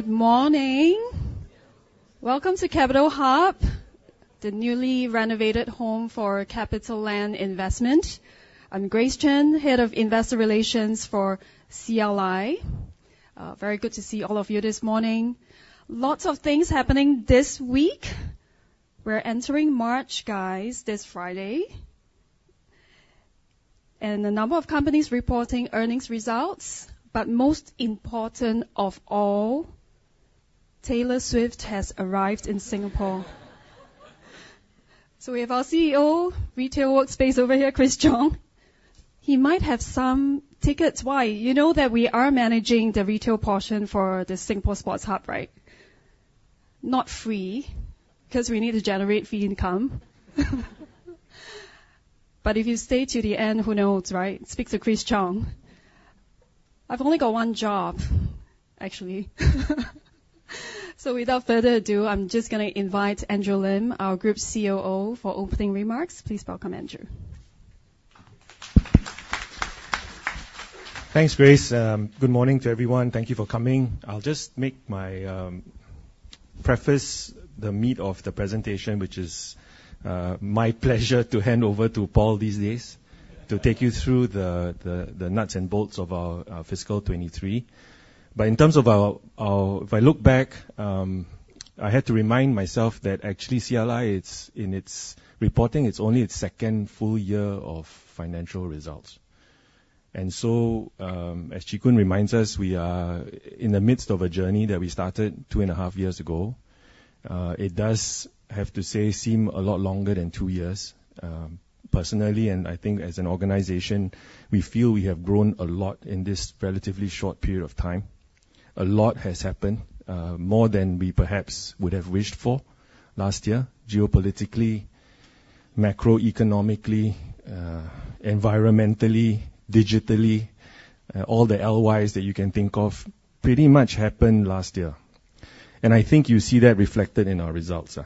Good morning! Welcome to Capital Hub, the newly renovated home for CapitaLand Investment. I'm Grace Chen, head of Investor Relations for CLI. Very good to see all of you this morning. Lots of things happening this week. We're entering March, guys, this Friday. A number of companies reporting earnings results, but most important of all, Taylor Swift has arrived in Singapore. We have our CEO, Retail Workspace over here, Chris Chong. He might have some tickets. Why? You know that we are managing the retail portion for the Singapore Sports Hub, right? Not free, 'cause we need to generate fee income. If you stay to the end, who knows, right? Speak to Chris Chong. I've only got one job, actually. Without further ado, I'm just gonna invite Andrew Lim, our Group COO, for opening remarks. Please welcome Andrew. Thanks, Grace. Good morning to everyone. Thank you for coming. I'll just make my preface, the meat of the presentation, which is, my pleasure to hand over to Paul these days, to take you through the nuts and bolts of our fiscal 2023.In terms of our... If I look back, I had to remind myself that actually CLI, it's in its reporting, it's only its second full year of financial results. As Chee Koon reminds us, we are in the midst of a journey that we started two and a half years ago. It does, I have to say, seem a lot longer than two years. Personally, and I think as an organization, we feel we have grown a lot in this relatively short period of time. A lot has happened, more than we perhaps would have wished for last year, geopolitically, macroeconomically, environmentally, digitally. All the LYs that you can think of pretty much happened last year, and I think you see that reflected in our results.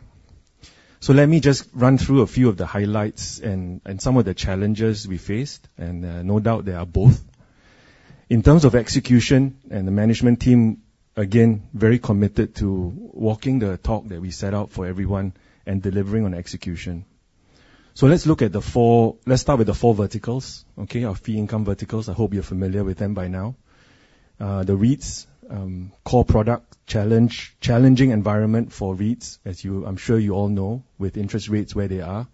Let me just run through a few of the highlights and, and some of the challenges we faced, and, no doubt there are both. In terms of execution, and the management team, again, very committed to walking the talk that we set out for everyone and delivering on execution. Let's start with the four verticals, okay? Our fee income verticals. I hope you're familiar with them by now. The REITs, core product challenge-challenging environment for REITs, as I'm sure you all know, with interest rates where they are.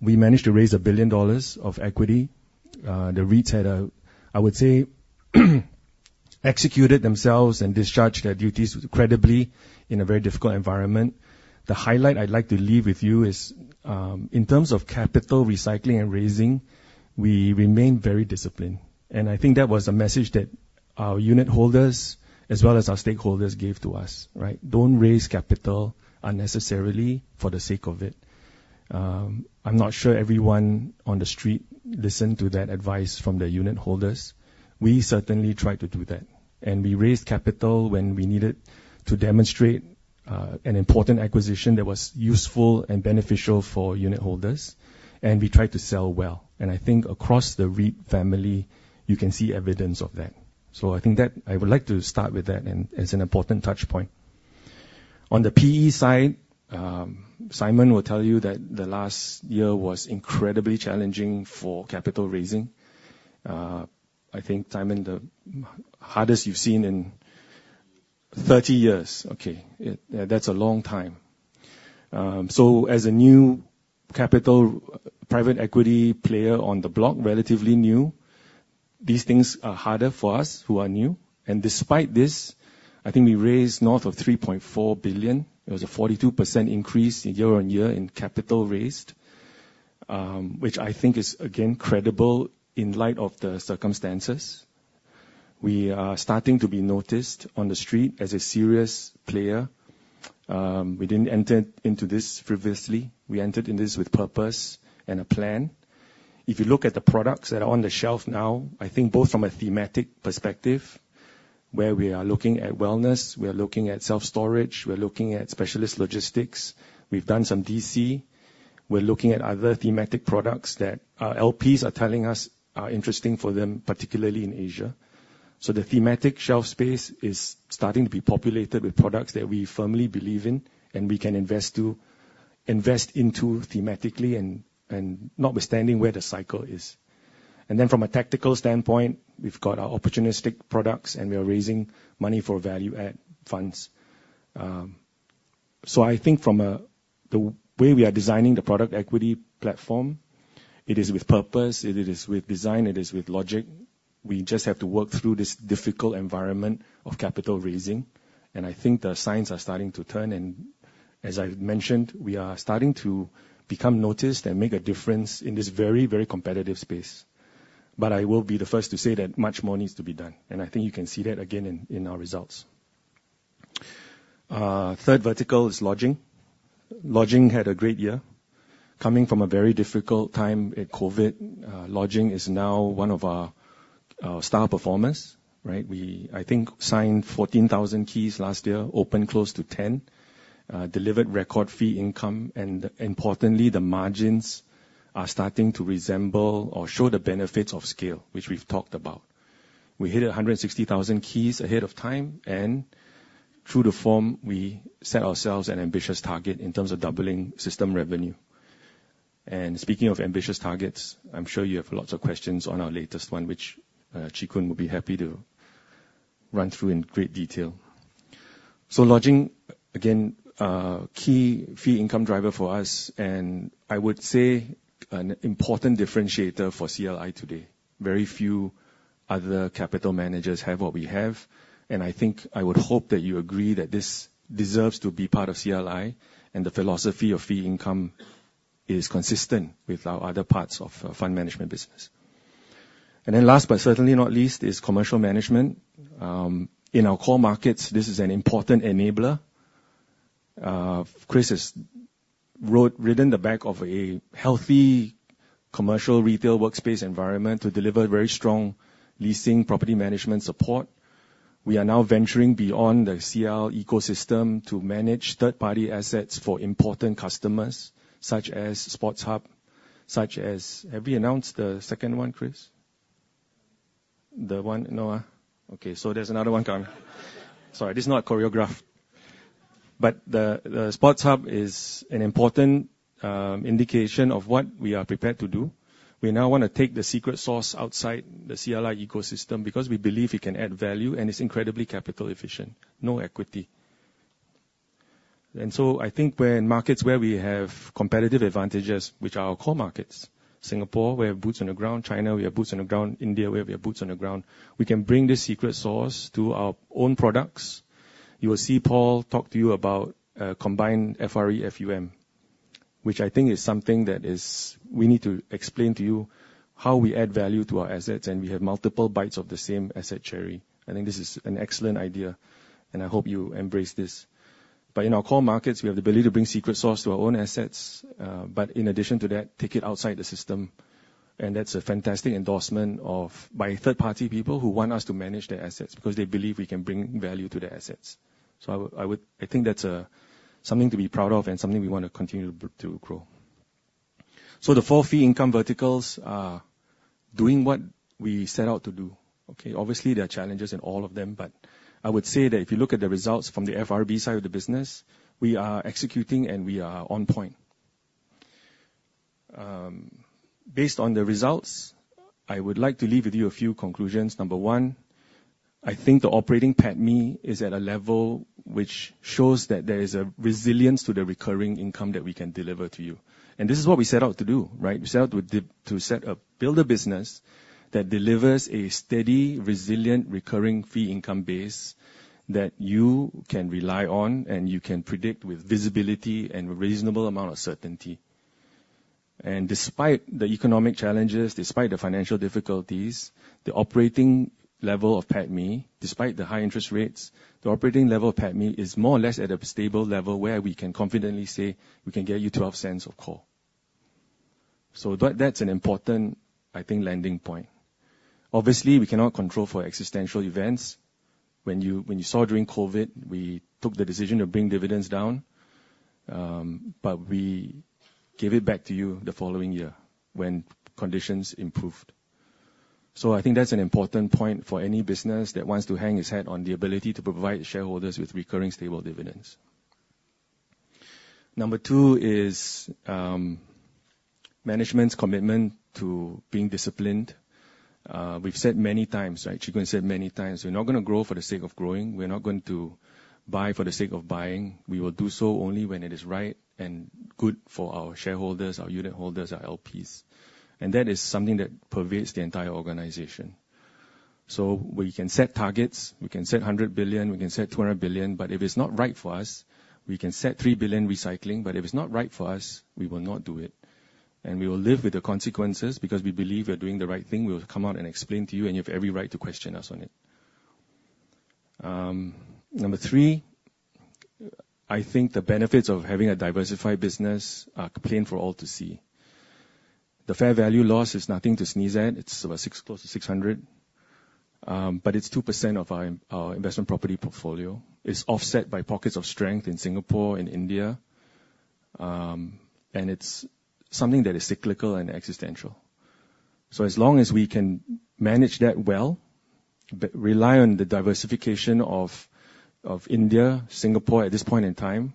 We managed to raise 1 billion dollars of equity. The REITs had, I would say, executed themselves and discharged their duties credibly in a very difficult environment. The highlight I'd like to leave with you is, in terms of capital recycling and raising, we remain very disciplined, and I think that was a message that our unitholders, as well as our stakeholders, gave to us, right? "Don't raise capital unnecessarily for the sake of it." I'm not sure everyone on the street listened to that advice from their unitholders. We certainly tried to do that, and we raised capital when we needed to demonstrate, an important acquisition that was useful and beneficial for unitholders, and we tried to sell well. I think across the REIT family, you can see evidence of that. I think I would like to start with that and as an important touch point. On the PE side, Simon will tell you that the last year was incredibly challenging for capital raising. I think, Simon, the hardest you've seen in 30 years. Okay, yeah, that's a long time. As a new capital, private equity player on the block, relatively new, these things are harder for us who are new, and despite this, I think we raised north of 3.4 billion. It was a 42% increase year-on-year in capital raised, which I think is again, credible in light of the circumstances. We are starting to be noticed on the street as a serious player. We didn't enter into this previously. We entered in this with purpose and a plan. If you look at the products that are on the shelf now, I think both from a thematic perspective, where we are looking at wellness, we are looking at self-storage, we are looking at specialist logistics, we've done some DC. We're looking at other thematic products that our LPs are telling us are interesting for them, particularly in Asia. The thematic shelf space is starting to be populated with products that we firmly believe in and we can invest into thematically and notwithstanding where the cycle is. Then from a tactical standpoint, we've got our opportunistic products, and we are raising money for value add funds. I think from the way we are designing the private equity platform, it is with purpose, it is with design, it is with logic. We just have to work through this difficult environment of capital raising, and I think the signs are starting to turn, and as I've mentioned, we are starting to become noticed and make a difference in this very, very competitive space. I will be the first to say that much more needs to be done, and I think you can see that again in our results. Third vertical is lodging. Lodging had a great year. Coming from a very difficult time at COVID, lodging is now one of our star performers, right? We, I think, signed 14,000 keys last year, opened close to 10, delivered record fee income, and importantly, the margins are starting to resemble or show the benefits of scale, which we've talked about. We hit 160,000 keys ahead of time, and through the form, we set ourselves an ambitious target in terms of doubling system revenue. Speaking of ambitious targets, I'm sure you have lots of questions on our latest one, which Chee Koon will be happy to run through in great detail. Lodging, again, a key fee income driver for us, and I would say an important differentiator for CLI today. Very few other capital managers have what we have, and I think, I would hope that you agree that this deserves to be part of CLI, and the philosophy of fee income is consistent with our other parts of fund management business. Then last, but certainly not least, is commercial management. In our core markets, this is an important enabler. Chris has ridden the back of a healthy commercial retail workspace environment to deliver very strong leasing property management support. We are now venturing beyond the CL ecosystem to manage third-party assets for important customers, such as Sports Hub, such as— Have we announced the second one, Chris? The one... No, huh? Okay, so there's another one coming. Sorry, this is not choreographed. The, the Sports Hub is an important indication of what we are prepared to do. We now wanna take the secret sauce outside the CLI ecosystem because we believe we can add value, and it's incredibly capital efficient, no equity. I think when markets where we have competitive advantages, which are our core markets, Singapore, we have boots on the ground, China, we have boots on the ground, India, we have our boots on the ground, we can bring this secret sauce to our own products. You will see Paul talk to you about combined FRE FUM, which I think is something that we need to explain to you how we add value to our assets, and we have multiple bites of the same asset cherry. I think this is an excellent idea, and I hope you embrace this.In our core markets, we have the ability to bring secret sauce to our own assets, but in addition to that, take it outside the system. Thats a fantastic endorsement of by third-party people who want us to manage their assets, because they believe we can bring value to their assets. I would think that's something to be proud of and something we want to continue to grow. The four fee income verticals are doing what we set out to do, okay? Obviously, there are challenges in all of them, but I would say that if you look at the results from the FRB side of the business, we are executing, and we are on point. Based on the results, I would like to leave with you a few conclusions. Number one, I think the operating PATMI is at a level which shows that there is a resilience to the recurring income that we can deliver to you. This is what we set out to do, right? We set out to set a, build a business that delivers a steady, resilient, recurring fee income base that you can rely on, and you can predict with visibility and reasonable amount of certainty. Despite the economic challenges, despite the financial difficulties, the operating level of PATMI, despite the high interest rates, the operating level of PATMI is more or less at a stable level, where we can confidently say we can get you 0.12 of core. That, that's an important, I think, landing point. Obviously, we cannot control for existential events. When you, when you saw during COVID, we took the decision to bring dividends down, but we gave it back to you the following year when conditions improved. I think that's an important point for any business that wants to hang its head on the ability to provide shareholders with recurring, stable dividends. Number two is management's commitment to being disciplined. We've said many times, right? Chee Koon said many times, "We're not gonna grow for the sake of growing. We're not going to buy for the sake of buying. We will do so only when it is right and good for our shareholders, our unit holders, our LPs." And that is something that pervades the entire organization. We can set targets, we can set 100 billion, we can set 200 billion, but if it's not right for us, we can set 3 billion recycling, but if it's not right for us, we will not do it. We will live with the consequences because we believe we are doing the right thing. We will come out and explain to you, and you have every right to question us on it. Number three, I think the benefits of having a diversified business are plain for all to see. The fair value loss is nothing to sneeze at. It's close to 600 million, but it's 2% of our, our investment property portfolio. It's offset by pockets of strength in Singapore and India, and it's something that is cyclical and existential. As long as we can manage that well, but rely on the diversification of, of India, Singapore, at this point in time,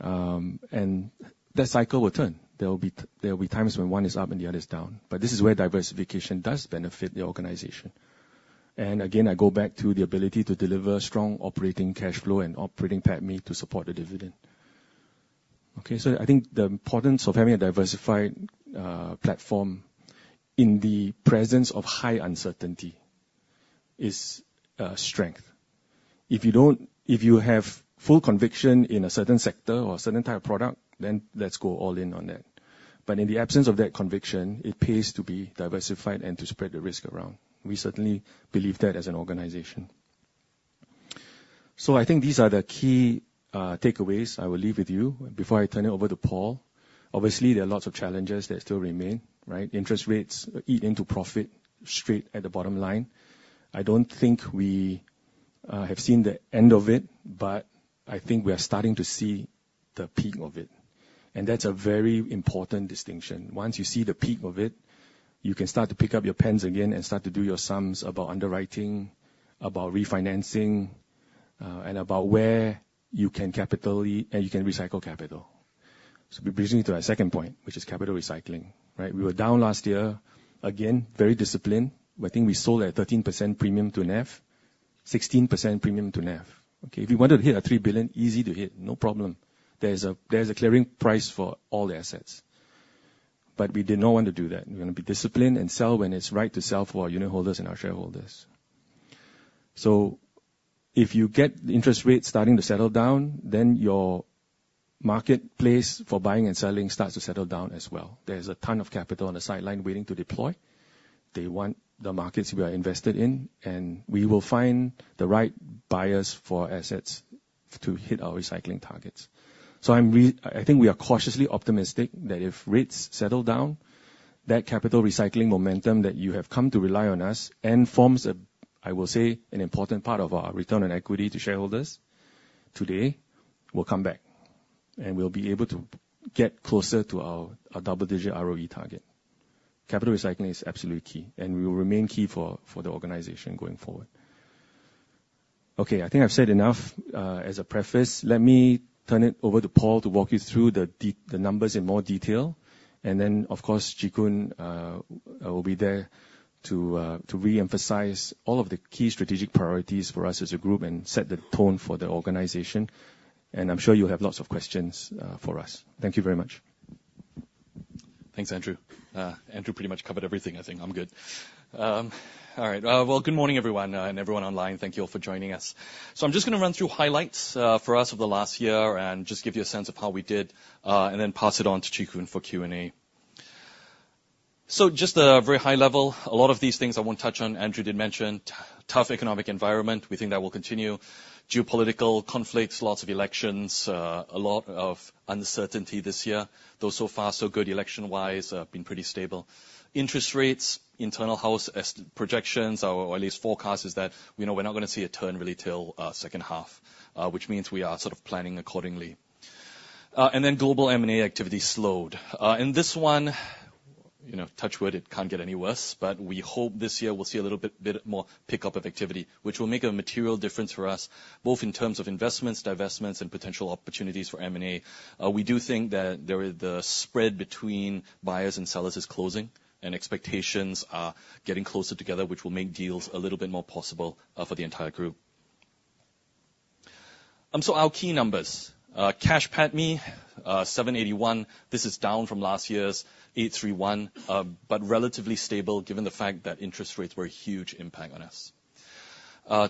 and that cycle will turn. There will be times when one is up and the other is down, but this is where diversification does benefit the organization. Again, I go back to the ability to deliver strong operating cash flow and operating PATMI to support the dividend. Okay, so I think the importance of having a diversified platform in the presence of high uncertainty is strength. If you have full conviction in a certain sector or a certain type of product, then let's go all in on that. In the absence of that conviction, it pays to be diversified and to spread the risk around. We certainly believe that as an organization. I think these are the key takeaways I will leave with you before I turn it over to Paul. Obviously, there are lots of challenges that still remain, right? Interest rates eat into profit straight at the bottom line. I don't think we have seen the end of it, but I think we are starting to see the peak of it... and that's a very important distinction. Once you see the peak of it, you can start to pick up your pens again and start to do your sums about underwriting, about refinancing, and about where you can capitally—and you can recycle capital. Bringing me to our second point, which is capital recycling, right? We were down last year. Again, very disciplined. I think we sold at 13% premium to NAV, 16% premium to NAV, okay? If you wanted to hit a 3 billion, easy to hit, no problem. There's a clearing price for all the assets. We did not want to do that. We're gonna be disciplined and sell when it's right to sell for our unit holders and our shareholders. If you get the interest rates starting to settle down, then your marketplace for buying and selling starts to settle down as well. There's a ton of capital on the sideline waiting to deploy. They want the markets we are invested in, and we will find the right buyers for assets to hit our recycling targets. I think we are cautiously optimistic that if rates settle down, that capital recycling momentum that you have come to rely on us and forms a, I will say, an important part of our return on equity to shareholders today, will come back, and we'll be able to get closer to our double-digit ROE target. Capital recycling is absolutely key, and will remain key for the organization going forward. Okay, I think I've said enough, as a preface. Let me turn it over to Paul to walk you through the numbers in more detail. Then, of course, Chee Koon will be there to reemphasize all of the key strategic priorities for us as a group and set the tone for the organization, and I'm sure you'll lots of questions for us. Thank you very much. Thanks, Andrew. Andrew pretty much covered everything. I think I'm good. All right. Well, good morning, everyone, and everyone online. Thank you all for joining us. I'm just gonna run through highlights for us over the last year and just give you a sense of how we did, and then pass it on to Chee Koon for Q&A. Just a very high level, a lot of these things I won't touch on. Andrew did mention, tough economic environment. We think that will continue. Geopolitical conflicts, lots of elections, a lot of uncertainty this year, though so far, so good election-wise, been pretty stable. Interest rates, internal house estimates projections, or at least forecast, is that, we know we're not gonna see a turn really till second half, which means we are sort of planning accordingly. Then global M&A activity slowed. This one, you know, touch wood, it can't get any worse, but we hope this year we'll see a little bit, bit more pickup of activity, which will make a material difference for us, both in terms of investments, divestments, and potential opportunities for M&A. We do think that there is, the spread between buyers and sellers is closing, and expectations are getting closer together, which will make deals a little bit more possible, for the entire group. Our key numbers. Cash PATMI, 781. This is down from last year's 831, but relatively stable, given the fact that interest rates were a huge impact on us.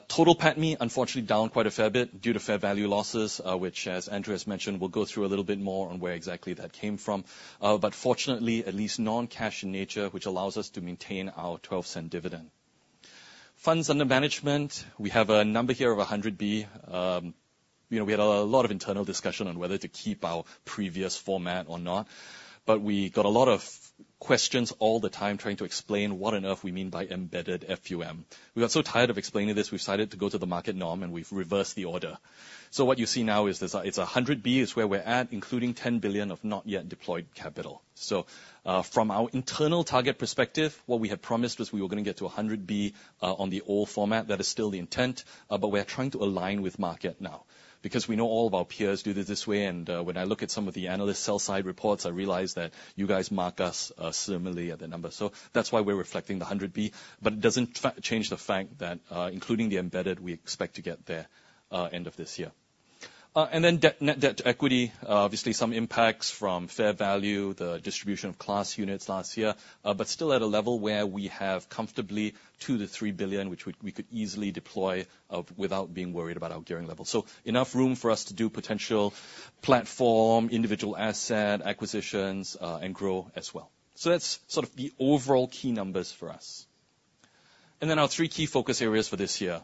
Total PATMI, unfortunately, down quite a fair bit due to fair value losses, which, as Andrew has mentioned, we'll go through a little bit more on where exactly that came from. Fortunately, at least non-cash in nature, which allows us to maintain our 0.12 dividend. Funds under management, we have a number here of 100 billion. You know, we had a lot of internal discussion on whether to keep our previous format or not, but we got a lot of questions all the time trying to explain what on earth we mean by embedded FUM. We got so tired of explaining this, we decided to go to the market norm, and we've reversed the order. What you see now is this, it's 100 billion is where we're at, including 10 billion of not yet deployed capital. From our internal target perspective, what we had promised was we were gonna get to 100 billion, on the old format. That is still the intent, but we are trying to align with market now because we know all of our peers do it this way, and, when I look at some of the analyst sell side reports, I realize that you guys mark us, similarly at the number. That's why we're reflecting the 100 billion, but it doesn't change the fact that, including the embedded, we expect to get there, end of this year. Then net debt to equity. Obviously some impacts from fair value, the distribution of CLAS units last year, but still at a level where we have comfortably 2 billion-3 billion, which we could easily deploy, without being worried about our gearing level. Enough room for us to do potential platform, individual asset, acquisitions, and grow as well. That's sort of the overall key numbers for us. Then our three key focus areas for this year.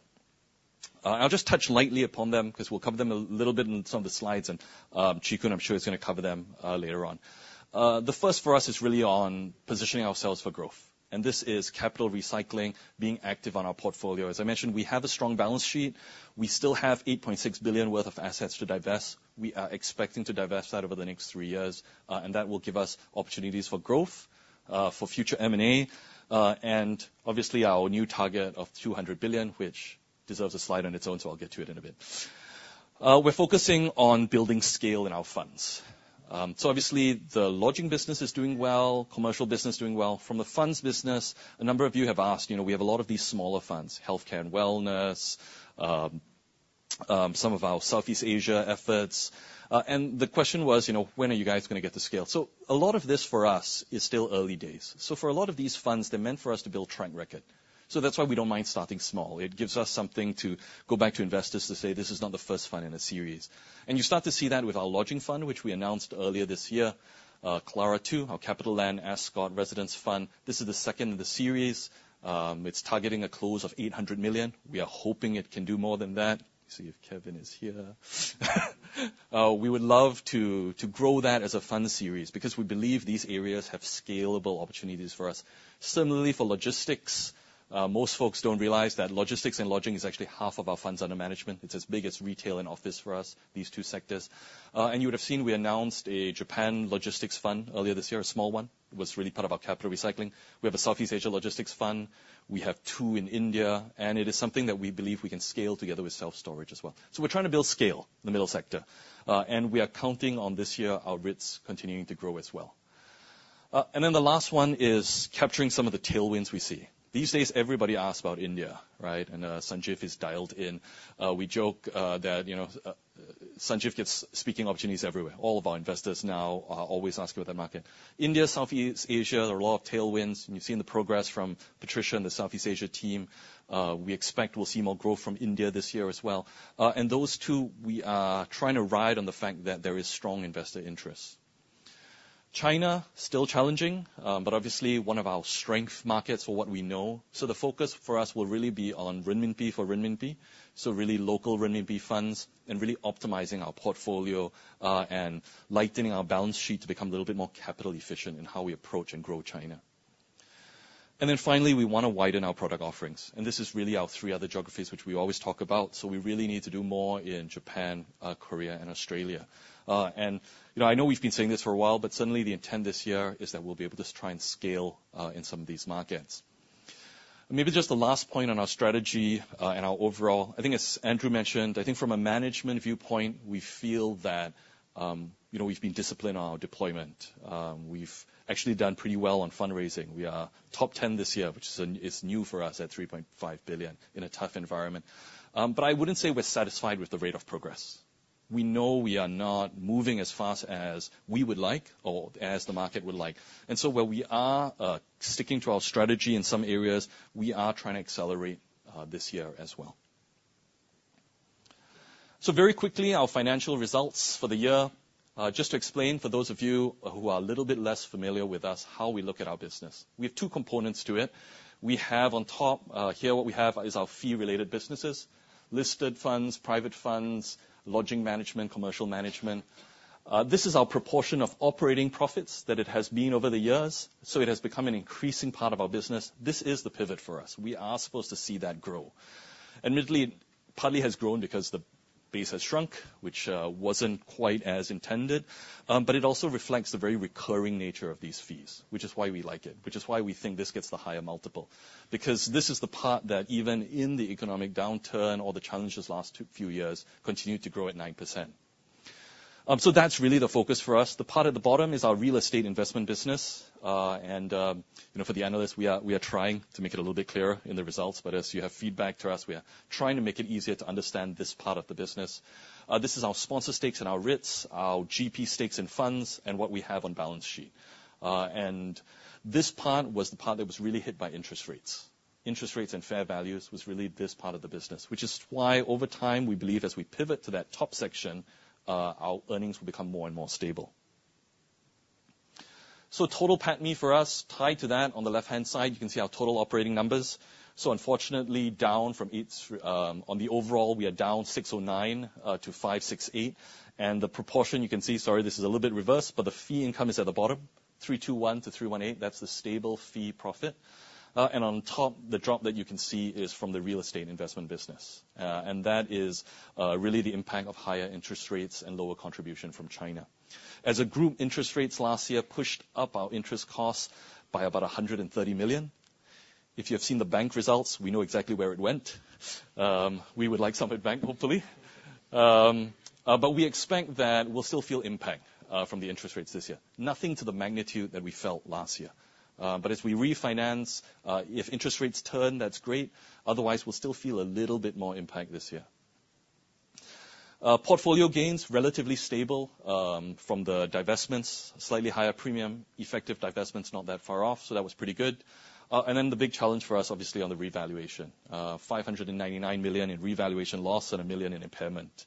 I'll just touch lightly upon them because we'll cover them a little bit in some of the slides, and, Chee Koon, I'm sure, is gonna cover them later on. The first for us is really on positioning ourselves for growth, and this is capital recycling, being active on our portfolio. As I mentioned, we have a strong balance sheet. We still have 8.6 billion worth of assets to divest. We are expecting to divest that over the next 3 years, and that will give us opportunities for growth, for future M&A, and obviously, our new target of 200 billion, which deserves a slide on its own, so I'll get to it in a bit. We're focusing on building scale in our funds. Obviously, the lodging business is doing well, commercial business doing well. From a funds business, a number of you have asked, you know, we have a lot of these smaller funds, healthcare and wellness, some of our Southeast Asia efforts, and the question was, you know, "When are you guys gonna get to scale?" So a lot of this for us is still early days. For a lot of these funds, they're meant for us to build track record. That's why we don't mind starting small. It gives us something to go back to investors to say, "This is not the first fund in a series." You start to see that with our lodging fund, which we announced earlier this year. CLARA II, our CapitaLand Ascott Residence Fund, this is the second in the series. It's targeting a close of 800 million. We are hoping it can do more than that. See if Kevin is here. We would love to grow that as a fund series because we believe these areas have scalable opportunities for us. Similarly, for logistics. Most folks don't realize that logistics and lodging is actually half of our funds under management. It's as big as retail and office for us, these two sectors. You would have seen, we announced a Japan logistics fund earlier this year, a small one. It was really part of our capital recycling. We have a Southeast Asia logistics fund, we have two in India, and it is something that we believe we can scale together with self-storage as well. We're trying to build scale in the middle sector, and we are counting on this year, our REITs continuing to grow as well. And then the last one is capturing some of the tailwinds we see. These days, everybody asks about India, right? And, Sanjeev is dialed in. We joke, that, you know, Sanjeev gets speaking opportunities everywhere. All of our investors now are always asking about that market. India, Southeast Asia, there are a lot of tailwinds, and you've seen the progress from Patricia and the Southeast Asia team. We expect we'll see more growth from India this year as well. And those two, we are trying to ride on the fact that there is strong investor interest. China, still challenging, but obviously one of our strength markets for what we know. The focus for us will really be on renminbi for renminbi, so really local renminbi funds and really optimizing our portfolio, and lightening our balance sheet to become a little bit more capital efficient in how we approach and grow China. And then finally, we wanna widen our product offerings, and this is really our three other geographies, which we always talk about, so we really need to do more in Japan, Korea, and Australia. You know, I know we've been saying this for a while, but suddenly the intent this year is that we'll be able to try and scale in some of these markets. Maybe just the last point on our strategy and our overall... I think as Andrew mentioned, I think from a management viewpoint, we feel that, you know, we've been disciplined on our deployment. We've actually done pretty well on fundraising. We are top ten this year, which is new for us at 3.5 billion in a tough environment. But I wouldn't say we're satisfied with the rate of progress. We know we are not moving as fast as we would like or as the market would like. While we are sticking to our strategy in some areas, we are trying to accelerate this year as well. So very quickly, our financial results for the year. Just to explain, for those of you who are a little bit less familiar with us, how we look at our business. We have two components to it. We have on top here what we have is our fee-related businesses, listed funds, private funds, lodging management, commercial management. This is our proportion of operating profits that it has been over the years, so it has become an increasing part of our business. This is the pivot for us. We are supposed to see that grow. Admittedly, partly has grown because the base has shrunk, which wasn't quite as intended, but it also reflects the very recurring nature of these fees, which is why we like it, which is why we think this gets the higher multiple. Because this is the part that even in the economic downturn or the challenges last few years, continued to grow at 9%. So that's really the focus for us. The part at the bottom is our real estate investment business. You know, for the analysts, we are, we are trying to make it a little bit clearer in the results, but as you have feedback to us, we are trying to make it easier to understand this part of the business. This is our sponsor stakes and our REITs, our GP stakes and funds, and what we have on balance sheet. This part was the part that was really hit by interest rates. Interest rates and fair values was really this part of the business, which is why, over time, we believe as we pivot to that top section, our earnings will become more and more stable. Total PATMI for us, tied to that, on the left-hand side, you can see our total operating numbers. So unfortunately, down from 8, on the overall, we are down 609 to 568. And the proportion, you can see, sorry, this is a little bit reversed, but the fee income is at the bottom, 321 to 318. That's the stable fee profit. And on top, the drop that you can see is from the real estate investment business. That is really the impact of higher interest rates and lower contribution from China. As a group, interest rates last year pushed up our interest costs by about 130 million. If you have seen the bank results, we know exactly where it went. We would like some of it back, hopefully. But we expect that we'll still feel impact from the interest rates this year. Nothing to the magnitude that we felt last year. As we refinance, if interest rates turn, that's great; otherwise, we'll still feel a little bit more impact this year. Portfolio gains, relatively stable from the divestments, slightly higher premium. Effective divestment's not that far off, so that was pretty good. Then the big challenge for us, obviously, on the revaluation, 599 million in revaluation loss and 1 million in impairment.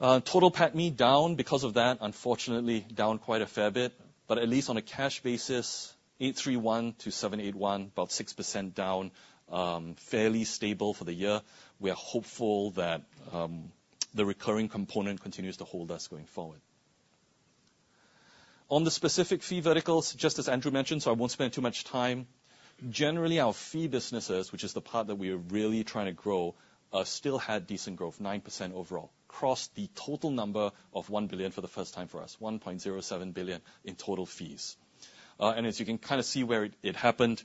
Total PATMI down because of that, unfortunately, down quite a fair bit, but at least on a cash basis, 831 million to 781 million, about 6% down, fairly stable for the year. We are hopeful that, the recurring component continues to hold us going forward. On the specific fee verticals, just as Andrew mentioned, so I won't spend too much time. Generally, our fee businesses, which is the part that we are really trying to grow, still had decent growth, 9% overall. Crossed the total number of 1 billion for the first time for us, 1.07 billion in total fees. As you can kind of see where it happened,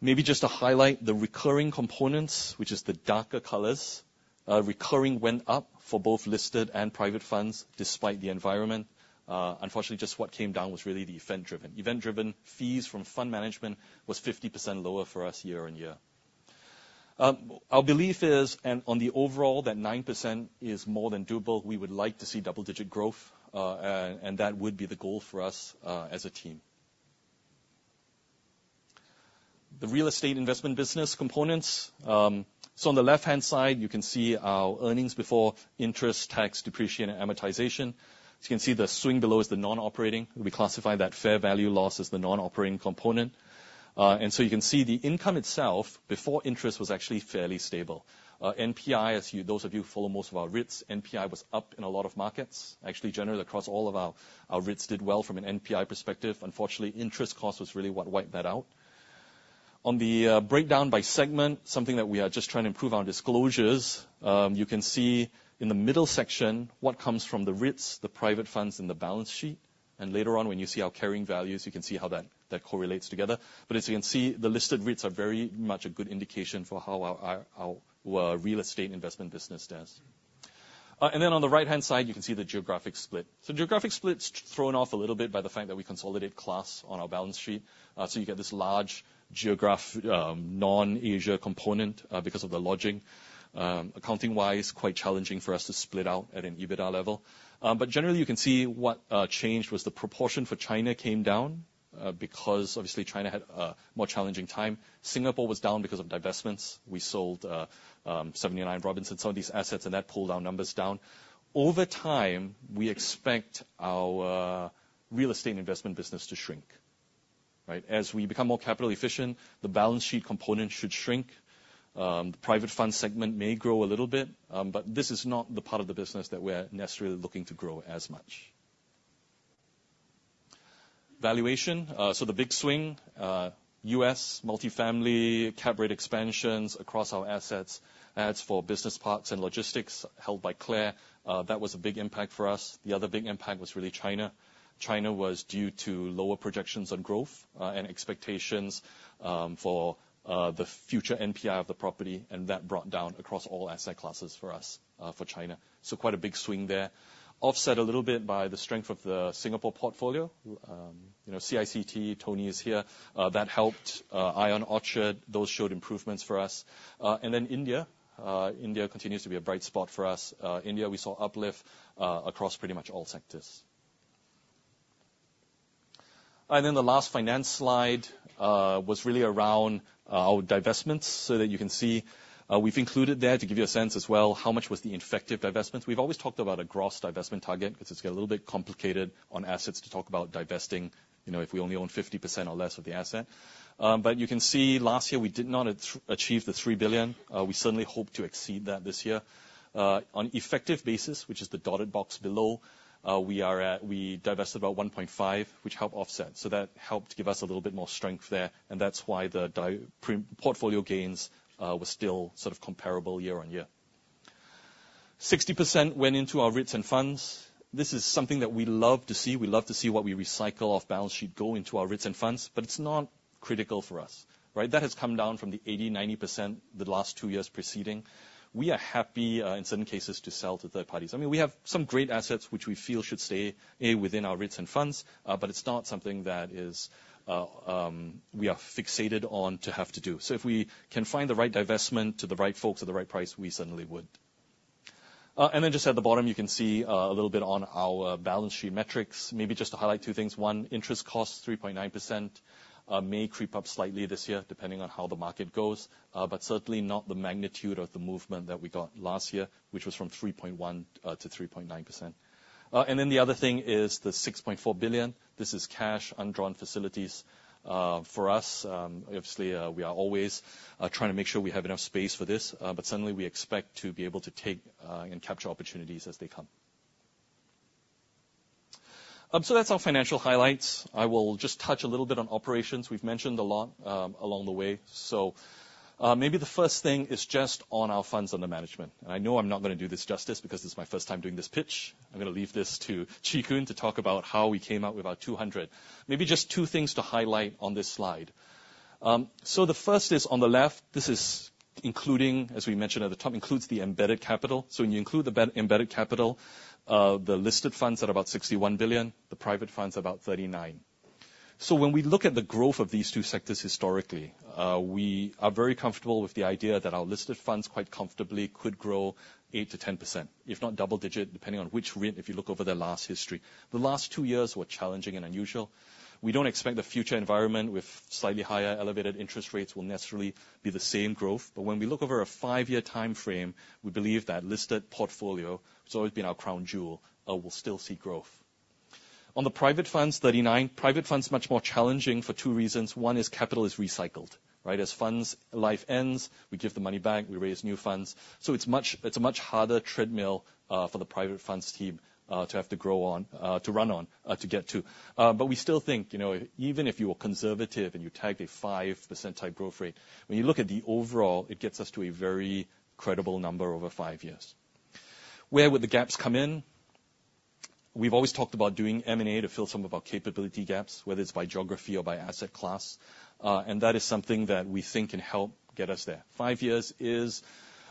maybe just to highlight the recurring components, which is the darker colors. Recurring went up for both listed and private funds, despite the environment. Unfortunately, just what came down was really the event-driven. Event-driven fees from fund management was 50% lower for us year on year. Our belief is, and on the overall, that 9% is more than doable. We would like to see double-digit growth, and that would be the goal for us as a team The real estate investment business components. So on the left-hand side, you can see our EBITDA. As you can see, the swing below is the non-operating. We classify that fair value loss as the non-operating component. You can see the income itself, before interest, was actually fairly stable. NPI, as you—those of you who follow most of our REITs, NPI was up in a lot of markets. Actually, generally, across all of our REITs did well from an NPI perspective. Unfortunately, interest cost was really what wiped that out.... On the breakdown by segment, something that we are just trying to improve our disclosures, you can see in the middle section what comes from the REITs, the private funds, and the balance sheet. Later on, when you see our carrying values, you can see how that correlates together. But as you can see, the listed REITs are very much a good indication for how our real estate investment business does. Then on the right-hand side, you can see the geographic split. Geographic split's thrown off a little bit by the fact that we consolidate CLAS on our balance sheet. You get this large non-Asia component, because of the lodging. Accounting-wise, quite challenging for us to split out at an EBITDA level. Generally, you can see what changed was the proportion for China came down, because obviously China had a more challenging time. Singapore was down because of divestments. We sold 79 Robinson, some of these assets, and that pulled our numbers down. Over time, we expect our real estate investment business to shrink, right? As we become more capital efficient, the balance sheet component should shrink. The private fund segment may grow a little bit, but this is not the part of the business that we're necessarily looking to grow as much. Valuation, so the big swing, US multifamily, cap rate expansions across our assets, Ascendas for business parks and logistics held by CLAR, that was a big impact for us. The other big impact was really China. China was due to lower projections on growth, and expectations, for the future NPI of the property, and that brought down across all asset classes for us, for China. Quite a big swing there. Offset a little bit by the strength of the Singapore portfolio. You know, CICT, Tony is here, that helped. ION Orchard, those showed improvements for us. And then India, India continues to be a bright spot for us. India, we saw uplift, across pretty much all sectors. Then the last finance slide, was really around our divestments, so that you can see. We've included there, to give you a sense as well, how much was the effective divestments. We've always talked about a gross divestment target, because it's got a little bit complicated on assets to talk about divesting, you know, if we only own 50% or less of the asset. But you can see last year, we did not achieve the 3 billion. We certainly hope to exceed that this year. On effective basis, which is the dotted box below, we are at. We divested about 1.5 billion, which helped offset. That helped give us a little bit more strength there, and that's why the portfolio gains were still sort of comparable year-on-year. 60% went into our REITs and funds. This is something that we love to see. We love to see what we recycle off balance sheet go into our REITs and funds, but it's not critical for us, right? That has come down from the 80%-90%, the last two years preceding. We are happy, in some cases, to sell to third parties. I mean, we have some great assets which we feel should stay, A, within our REITs and funds, but it's not something that is, we are fixated on to have to do. If we can find the right divestment to the right folks at the right price, we certainly would. And then just at the bottom, you can see, a little bit on our balance sheet metrics. Maybe just to highlight two things. 1, interest cost, 3.9%, may creep up slightly this year, depending on how the market goes, but certainly not the magnitude of the movement that we got last year, which was from 3.1% to 3.9%. And then the other thing is the 6.4 billion. This is cash, undrawn facilities. For us, obviously, we are always trying to make sure we have enough space for this, but suddenly we expect to be able to take, and capture opportunities as they come. So that's our financial highlights. I will just touch a little bit on operations. We've mentioned a lot, along the way. So, maybe the first thing is just on our funds under management. I know I'm not gonna do this justice because this is my first time doing this pitch. I'm gonna leave this to Chee Koon to talk about how we came out with about 200. Maybe just two things to highlight on this slide. The first is on the left, this is including, as we mentioned at the top, includes the embedded capital. When you include the embedded capital, the listed funds are about 61 billion, the private funds about 39 billion. When we look at the growth of these two sectors historically, we are very comfortable with the idea that our listed funds quite comfortably could grow 8%-10%, if not double-digit, depending on which REIT, if you look over their last history. The last two years were challenging and unusual. We don't expect the future environment with slightly higher elevated interest rates will necessarily be the same growth. When we look over a five-year timeframe, we believe that listed portfolio, it's always been our crown jewel, will still see growth. On the private funds, private funds, much more challenging for two reasons. One is capital is recycled, right? As funds' life ends, we give the money back, we raise new funds. So it's much, it's a much harder treadmill for the private funds team to have to grow on, to run on, to get to. We still think, you know, even if you are conservative and you tag a 5% type growth rate, when you look at the overall, it gets us to a very credible number over five years. Where would the gaps come in? We've always talked about doing M&A to fill some of our capability gaps, whether it's by geography or by asset class, and that is something that we think can help get us there. Five years is...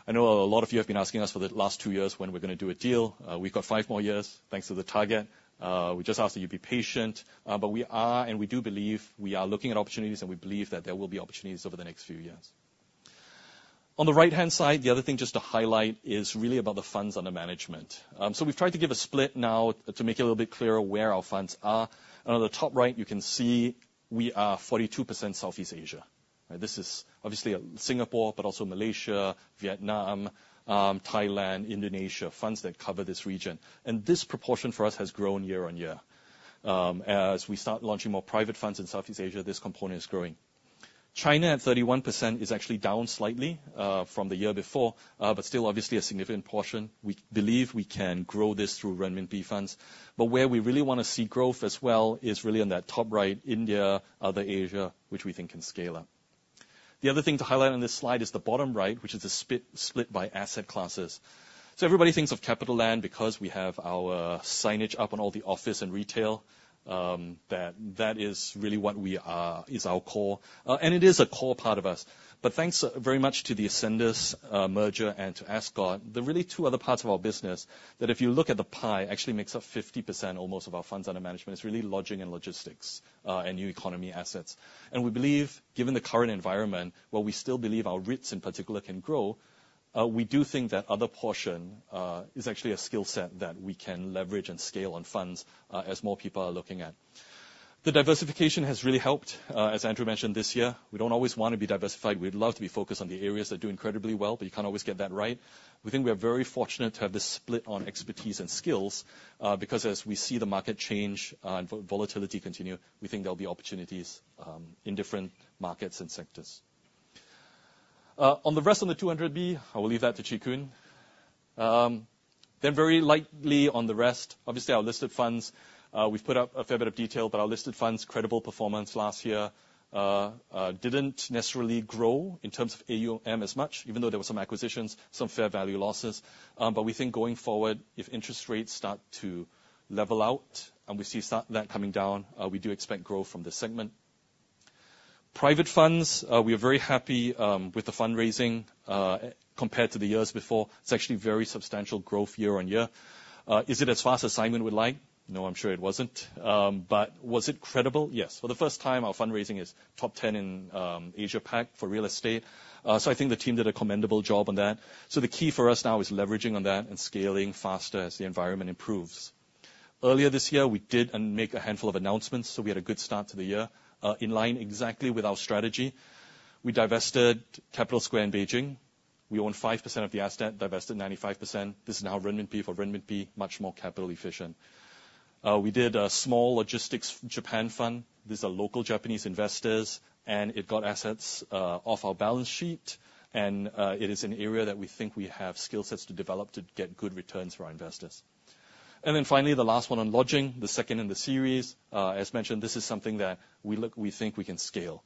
I know a lot of you have been asking us for the last two years when we're gonna do a deal. We've got five more years, thanks to the target. We just ask that you be patient, but we are, and we do believe we are looking at opportunities, and we believe that there will be opportunities over the next few years. On the right-hand side, the other thing just to highlight is really about the funds under management. So we've tried to give a split now to make it a little bit clearer where our funds are. On the top right, you can see we are 42% Southeast Asia. This is obviously Singapore, but also Malaysia, Vietnam, Thailand, Indonesia, funds that cover this region. And this proportion for us has grown year-on-year. As we start launching more private funds in Southeast Asia, this component is growing. China, at 31%, is actually down slightly from the year before, but still, obviously, a significant portion. We believe we can grow this through renminbi funds, but where we really wanna see growth as well is really on that top right, India, other Asia, which we think can scale up.... The other thing to highlight on this slide is the bottom right, which is the split by asset classes. Everybody thinks of CapitaLand because we have our signage up on all the office and retail, that is really what we are, is our core. And it is a core part of us. But thanks, very much to the Ascendas merger and to Ascott, the really two other parts of our business, that if you look at the pie, actually makes up 50% almost of our funds under management. It's really lodging and logistics, and new economy assets. We believe, given the current environment, while we still believe our REITs in particular can grow, we do think that other portion is actually a skill set that we can leverage and scale on funds, as more people are looking at. The diversification has really helped, as Andrew mentioned this year. We don't always want to be diversified. We'd love to be focused on the areas that do incredibly well, but you can't always get that right. We think we are very fortunate to have this split on expertise and skills, because as we see the market change, and volatility continue, we think there'll be opportunities, in different markets and sectors. On the rest on the 200 billion, I will leave that to Chee Koon. Then very lightly on the rest, obviously, our listed funds, we've put up a fair bit of detail, but our listed funds' credible performance last year, didn't necessarily grow in terms of AUM as much, even though there were some acquisitions, some fair value losses. But we think going forward, if interest rates start to level out and we see that coming down, we do expect growth from this segment. Private funds, we are very happy with the fundraising, compared to the years before. It's actually very substantial growth year on year. Is it as fast as Simon would like? No, I'm sure it wasn't. But was it credible? Yes. For the first time, our fundraising is top 10 in Asia Pac for real estate. So I think the team did a commendable job on that. So the key for us now is leveraging on that and scaling faster as the environment improves. Earlier this year, we did make a handful of announcements, so we had a good start to the year, in line exactly with our strategy. We divested Capital Square in Beijing. We own 5% of the asset, divested 95%. This is now renminbi for renminbi, much more capital efficient. We did a small logistics Japan fund. These are local Japanese investors, and it got assets off our balance sheet, and it is an area that we think we have skill sets to develop to get good returns for our investors. Then finally, the last one on lodging, the second in the series. As mentioned, this is something that we look—we think we can scale.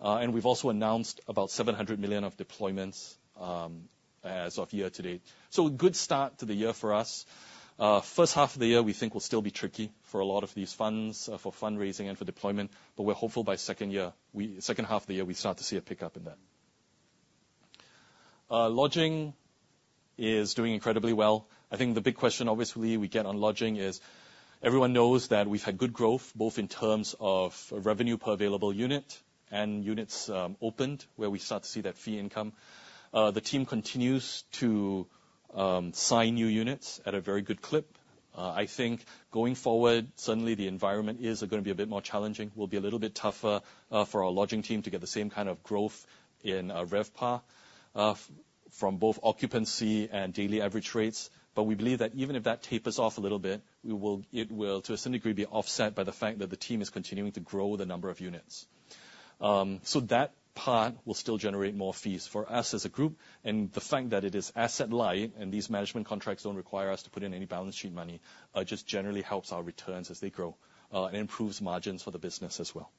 And we've also announced about 700 million of deployments as of year to date. So a good start to the year for us. First half of the year, we think will still be tricky for a lot of these funds for fundraising and for deployment, but we're hopeful by second half of the year, we start to see a pickup in that. Lodging is doing incredibly well. I think the big question, obviously, we get on lodging is everyone knows that we've had good growth, both in terms of revenue per available unit and units opened, where we start to see that fee income. The team continues to sign new units at a very good clip. I think going forward, suddenly the environment is gonna be a bit more challenging, will be a little bit tougher for our lodging team to get the same kind of growth in RevPAR from both occupancy and daily average rates. We believe that even if that tapers off a little bit, we will, it will, to a certain degree, be offset by the fact that the team is continuing to grow the number of units. That part will still generate more fees for us as a group, and the fact that it is asset light, and these management contracts don't require us to put in any balance sheet money, just generally helps our returns as they grow, and improves margins for the business as well.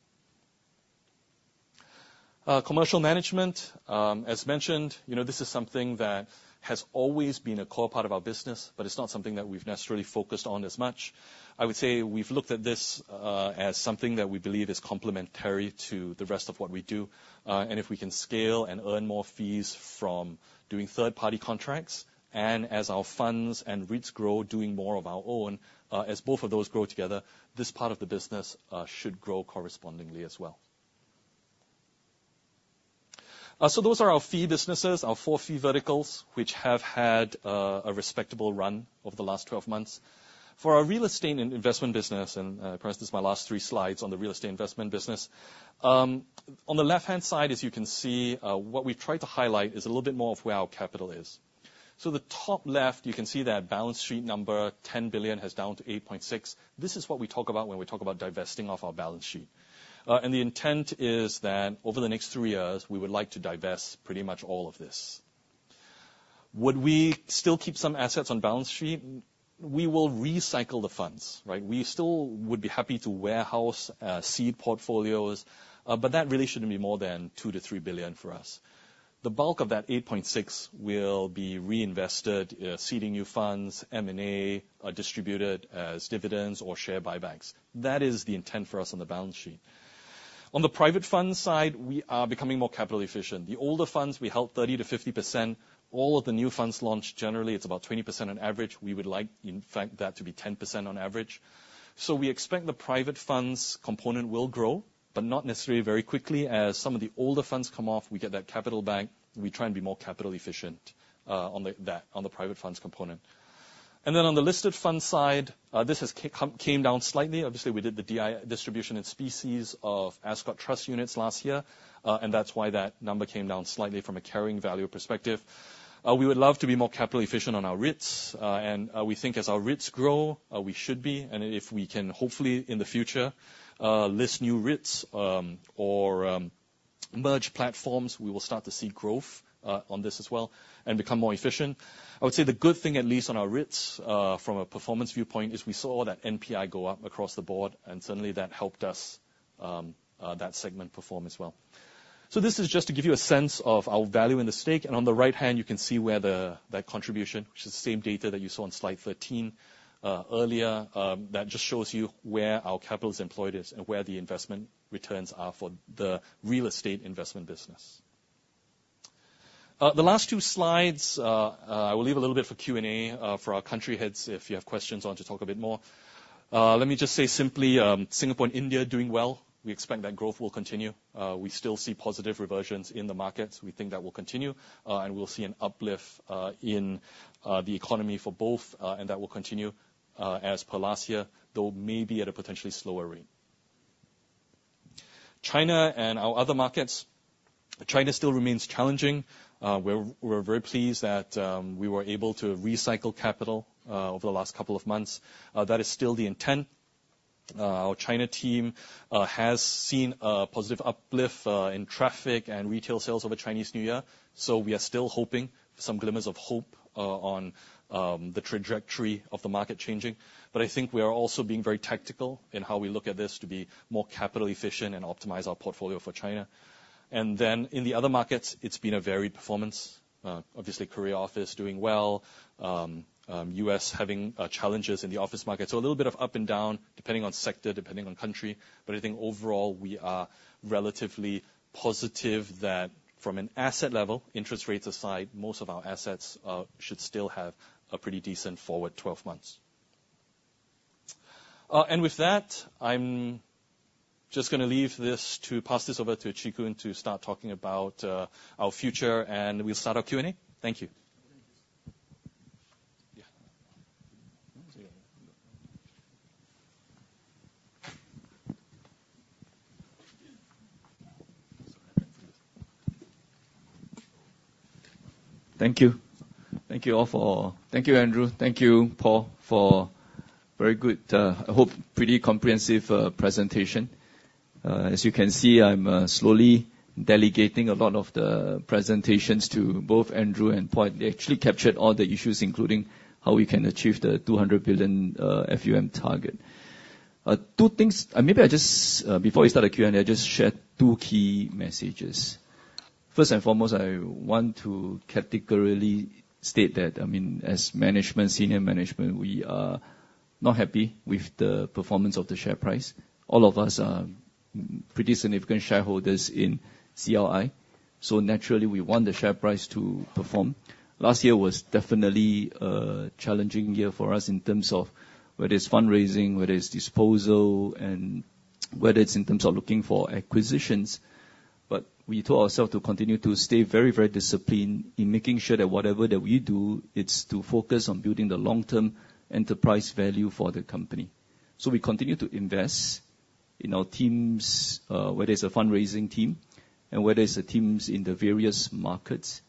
Commercial management, as mentioned, you know, this is something that has always been a core part of our business, but it's not something that we've necessarily focused on as much. I would say we've looked at this, as something that we believe is complementary to the rest of what we do. If we can scale and earn more fees from doing third-party contracts, and as our funds and REITs grow, doing more of our own, as both of those grow together, this part of the business should grow correspondingly as well. So those are our fee businesses, our four fee verticals, which have had a respectable run over the last 12 months. For our real estate and investment business, and perhaps this is my last 3 slides on the real estate investment business. On the left-hand side, as you can see, what we've tried to highlight is a little bit more of where our capital is. So the top left, you can see that balance sheet number, 10 billion, has down to 8.6. This is what we talk about when we talk about divesting off our balance sheet. The intent is that over the next 3 years, we would like to divest pretty much all of this. Would we still keep some assets on balance sheet? We will recycle the funds, right? We still would be happy to warehouse, seed portfolios, but that really shouldn't be more than 2-3 billion for us. The bulk of that 8.6 billion will be reinvested, seeding new funds, M&A, distributed as dividends or share buybacks. That is the intent for us on the balance sheet. On the private fund side, we are becoming more capital efficient. The older funds, we held 30%-50%. All of the new funds launched, generally, it's about 20% on average. We would like, in fact, that to be 10% on average. We expect the private funds component will grow, but not necessarily very quickly. As some of the older funds come off, we get that capital back, we try and be more capital efficient on the private funds component. And then on the listed fund side, this came down slightly. Obviously, we did the distribution in specie of Ascott Trust units last year, and that's why that number came down slightly from a carrying value perspective. We would love to be more capital efficient on our REITs, and we think as our REITs grow, we should be. And if we can, hopefully, in the future, list new REITs, or merge platforms, we will start to see growth on this as well and become more efficient. I would say the good thing, at least on our REITs, from a performance viewpoint, is we saw that NPI go up across the board, and certainly, that helped us, that segment perform as well. So this is just to give you a sense of our value in the stake. And on the right hand, you can see where that contribution, which is the same data that you saw on slide 13, earlier. That just shows you where our capital is employed is, and where the investment returns are for the real estate investment business. The last two slides, I will leave a little bit for Q&A, for our country heads, if you have questions or want to talk a bit more. Let me just say simply, Singapore and India are doing well. We expect that growth will continue. We still see positive reversions in the markets. We think that will continue, and we'll see an uplift in the economy for both. That will continue as per last year, though maybe at a potentially slower rate. China and our other markets. China still remains challenging. We're very pleased that we were able to recycle capital over the last couple of months. That is still the intent. Our China team has seen a positive uplift in traffic and retail sales over Chinese New Year, so we are still hoping for some glimmers of hope on the trajectory of the market changing. But I think we are also being very tactical in how we look at this, to be more capital efficient and optimize our portfolio for China. Then in the other markets, it's been a varied performance. Obviously, Korea office doing well, U.S. having challenges in the office market. A little bit of up and down, depending on sector, depending on country. I think overall, we are relatively positive that from an asset level, interest rates aside, most of our assets should still have a pretty decent forward 12 months. With that, I'm just gonna leave this to pass this over to Chee Koon to start talking about our future, and we'll start our Q&A. Thank you. Thank you. Thank you, Andrew. Thank you, Paul, for very good, I hope, pretty comprehensive presentation. As you can see, I'm slowly delegating a lot of the presentations to both Andrew and Paul. They actually captured all the issues, including how we can achieve the 200 billion FUM target. Two things. Maybe I just before we start the Q&A, I just share two key messages. First and foremost, I want to categorically state that, I mean, as management, senior management, we are not happy with the performance of the share price. All of us are pretty significant shareholders in CLI, so naturally, we want the share price to perform. Last year was definitely a challenging year for us in terms of whether it's fundraising, whether it's disposal, and whether it's in terms of looking for acquisitions. We taught ourselves to continue to stay very, very disciplined in making sure that whatever that we do, it's to focus on building the long-term enterprise value for the company. So we continue to invest in our teams, whether it's a fundraising team and whether it's the teams in the various markets,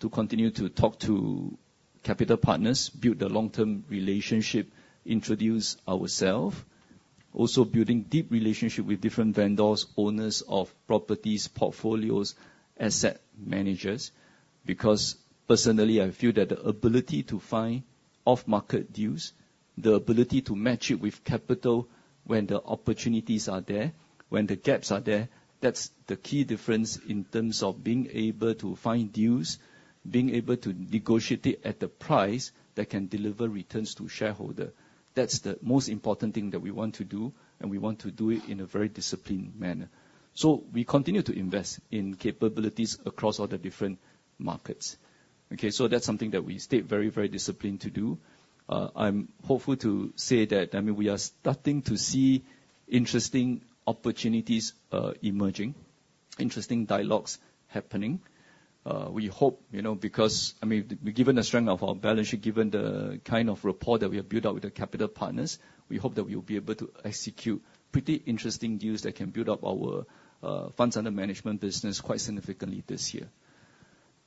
to continue to talk to capital partners, build a long-term relationship, introduce ourself. Also building deep relationship with different vendors, owners of properties, portfolios, asset managers. Because personally, I feel that the ability to find off-market deals, the ability to match it with capital when the opportunities are there, when the gaps are there, that's the key difference in terms of being able to find deals, being able to negotiate it at a price that can deliver returns to shareholder. That's the most important thing that we want to do, and we want to do it in a very disciplined manner. We continue to invest in capabilities across all the different markets. Okay, so that's something that we stay very, very disciplined to do. I'm hopeful to say that, I mean, we are starting to see interesting opportunities, emerging, interesting dialogues happening. We hope, you know, because, I mean, given the strength of our balance sheet, given the kind of rapport that we have built up with the capital partners, we hope that we'll be able to execute pretty interesting deals that can build up our, funds under management business quite significantly this year.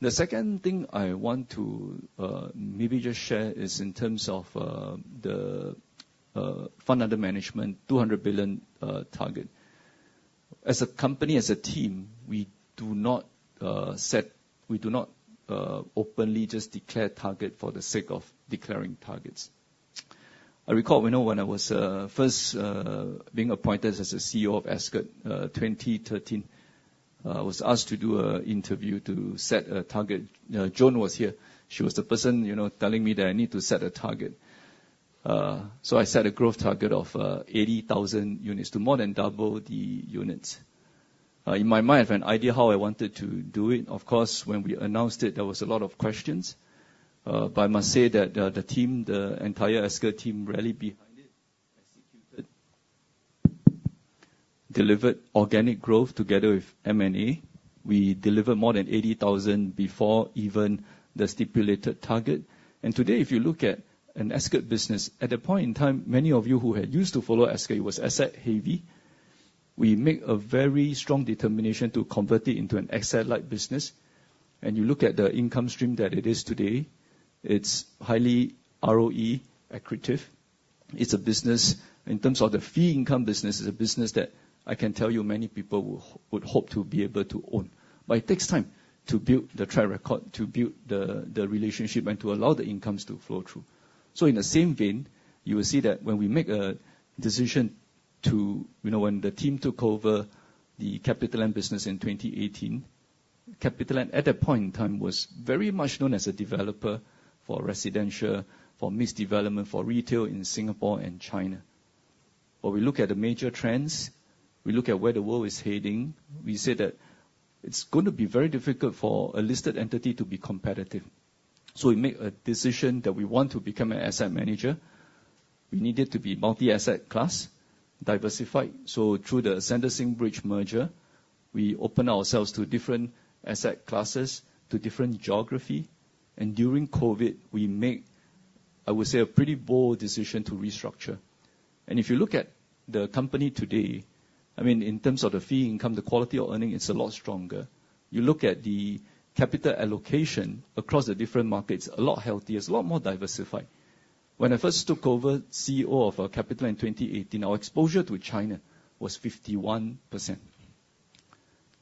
The second thing I want to, maybe just share is in terms of, the, fund under management, 200 billion, target. As a company, as a team, we do not set. We do not openly just declare target for the sake of declaring targets. I recall, you know, when I was first being appointed as the CEO of Ascott, 2013, I was asked to do an interview to set a target. Joan or Jennie was here. She was the person, you know, telling me that I need to set a target. I set a growth target of 80,000 units to more than double the units. In my mind, I have an idea how I wanted to do it. Of course, when we announced it, there was a lot of questions. I must say that the team, the entire Ascott team, rallied behind it, executed, delivered organic growth together with M&A. We delivered more than 80,000 before even the stipulated target. Today, if you look at an Ascott business, at that point in time, many of you who had used to follow Ascott, it was asset heavy. We make a very strong determination to convert it into an asset-light business. You look at the income stream that it is today, it's highly ROE accretive. It's a business, in terms of the fee income business, it's a business that I can tell you many people would, would hope to be able to own. It takes time... to build the track record, to build the, the relationship, and to allow the incomes to flow through. In the same vein, you will see that when we make a decision to, you know, when the team took over the CapitaLand business in 2018, CapitaLand, at that point in time, was very much known as a developer for residential, for mixed development, for retail in Singapore and China. We look at the major trends, we look at where the world is heading, we say that it's going to be very difficult for a listed entity to be competitive. We make a decision that we want to become an asset manager. We needed to be multi-asset class, diversified. Through the Ascendas-Singbridge merger, we open ourselves to different asset classes, to different geography. During COVID, we make, I would say, a pretty bold decision to restructure. If you look at the company today, I mean, in terms of the fee income, the quality of earning, it's a lot stronger. You look at the capital allocation across the different markets, a lot healthier, it's a lot more diversified. When I first took over CEO of Capita in 2018, our exposure to China was 51%.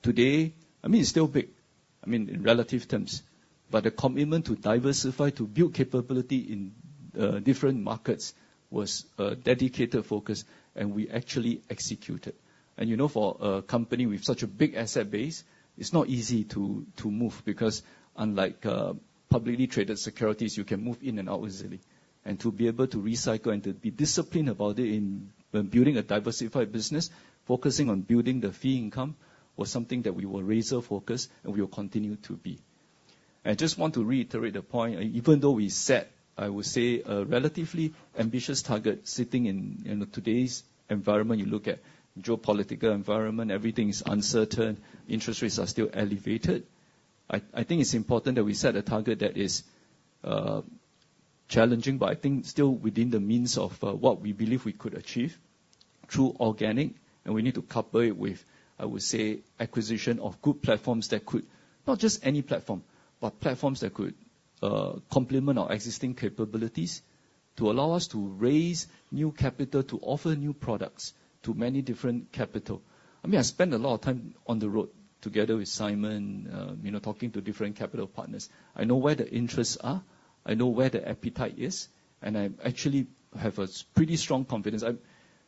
Today, I mean, it's still big, I mean, in relative terms, but the commitment to diversify, to build capability in different markets, was a dedicated focus, and we actually executed. And, you know, for a company with such a big asset base, it's not easy to move, because unlike publicly traded securities, you can move in and out easily. To be able to recycle and to be disciplined about it in when building a diversified business, focusing on building the fee income, was something that we were razor-focused, and we will continue to be. I just want to reiterate the point, even though we set, I would say, a relatively ambitious target, sitting in, you know, today's environment, you look at geopolitical environment, everything is uncertain, interest rates are still elevated. I think it's important that we set a target that is challenging, but I think still within the means of what we believe we could achieve through organic, and we need to couple it with, I would say, acquisition of good platforms that could... Not just any platform, but platforms that could complement our existing capabilities, to allow us to raise new capital, to offer new products to many different capital. I mean, I spend a lot of time on the road together with Simon, you know, talking to different capital partners. I know where the interests are, I know where the appetite is, and I actually have a pretty strong confidence. I,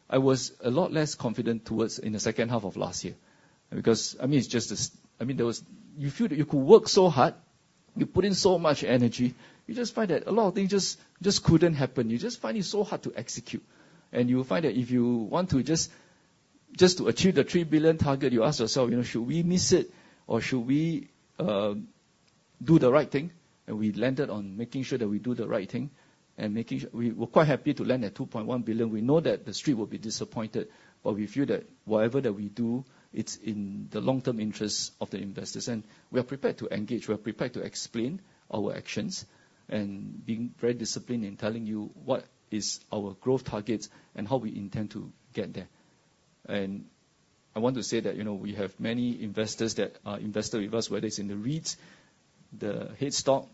I was a lot less confident towards in the second half of last year, because, I mean, you feel that you could work so hard, you put in so much energy, you just find that a lot of things just, just couldn't happen. You just find it so hard to execute. You will find that if you want to just, just to achieve the 3 billion target, you ask yourself: "You know, should we miss it, or should we, do the right thing?" We landed on making sure that we do the right thing and making sure—we were quite happy to land at 2.1 billion. We know that the Street will be disappointed, but we feel that whatever that we do, it's in the long-term interests of the investors. We are prepared to engage, we are prepared to explain our actions, and being very disciplined in telling you what is our growth targets and how we intend to get there. I want to say that, you know, we have many investors that are invested with us, whether it's in the REITs, the stock,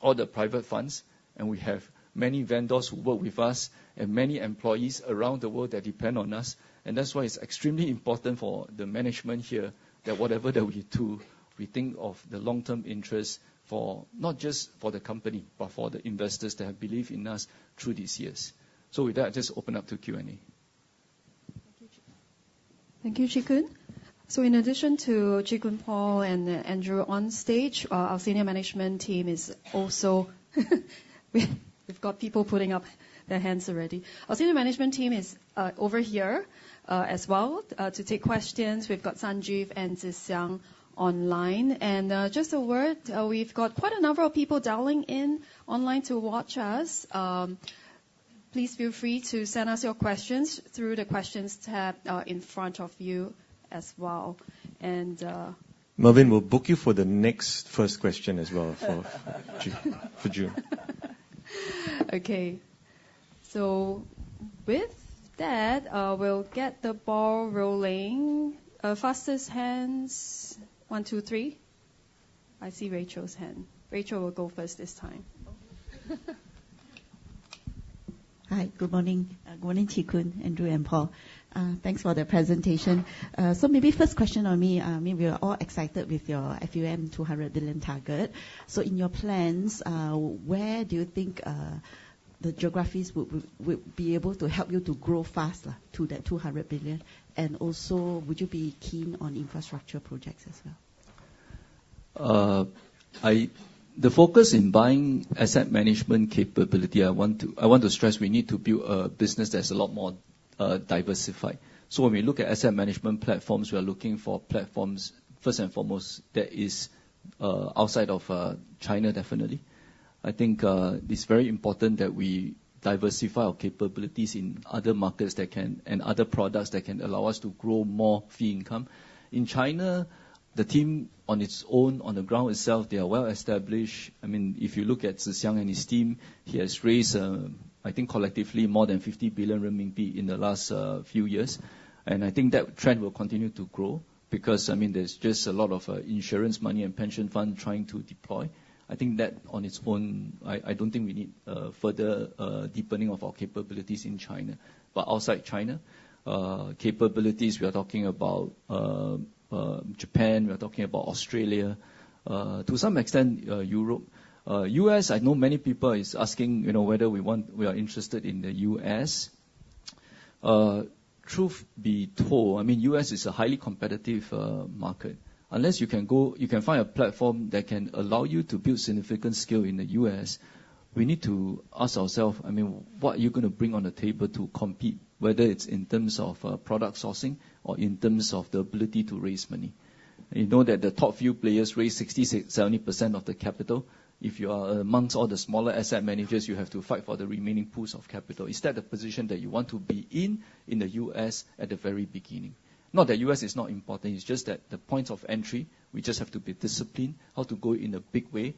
or the private funds, and we have many vendors who work with us, and many employees around the world that depend on us. That's why it's extremely important for the management here, that whatever that we do, we think of the long-term interests for not just for the company, but for the investors that have believed in us through these years. With that, I just open up to Q&A. Thank you, Chee Koon. In addition to Chee Koon, Paul, and Andrew on stage, our senior management team is also we've got people putting up their hands already. Our senior management team is over here as well to take questions. We've got Sanjeev and Tze Shyang online. Just a word, we've got quite a number of people dialing in online to watch us. Please feel free to send us your questions through the Questions tab in front of yu as well. Mervin, we'll book you for the next first question as well, for June, for June. Okay. With that, we'll get the ball rolling. Fastest hands, one, two, three. I see Rachel's hand. Rachel will go first this time. Hi, good morning. Good morning, Chee Koon, Andrew, and Paul. Thanks for the presentation. So maybe first question on me. Maybe we are all excited with your FUM 200 billion target.In your plans, where do you think the geographies would be able to help you to grow faster to that 200 billion? Also, would you be keen on infrastructure projects as well? The focus in buying asset management capability, I want to, I want to stress, we need to build a business that's a lot more, diversified. When we look at asset management platforms, we are looking for platforms, first and foremost, that is, outside of, China, definitely. I think, it's very important that we diversify our capabilities in other markets that can... and other products that can allow us to grow more fee income. In China, the team on its own, on the ground itself, they are well-established. I mean, if you look at Tze Shyang and his team, he has raised, I think collectively more than 50 billion renminbi in the last, few years. I think that trend will continue to grow because, I mean, there's just a lot of, insurance money and pension fund trying to deploy. I think that on its own, I don't think we need further deepening of our capabilities in China. Outside China, capabilities, we are talking about Japan, we are talking about Australia, to some extent, Europe. U.S., I know many people is asking, you know, whether we want we are interested in the U.S. Truth be told, I mean, U.S. is a highly competitive market. Unless you can find a platform that can allow you to build significant scale in the U.S., we need to ask ourself, I mean, what are you gonna bring on the table to compete, whether it's in terms of product sourcing or in terms of the ability to raise money? You know that the top few players raise 60%-70% of the capital. If you are among all the smaller asset managers, you have to fight for the remaining pools of capital. Is that the position that you want to be in, in the U.S. at the very beginning? Not that U.S. is not important, it's just that the points of entry, we just have to be disciplined, how to go in a big way,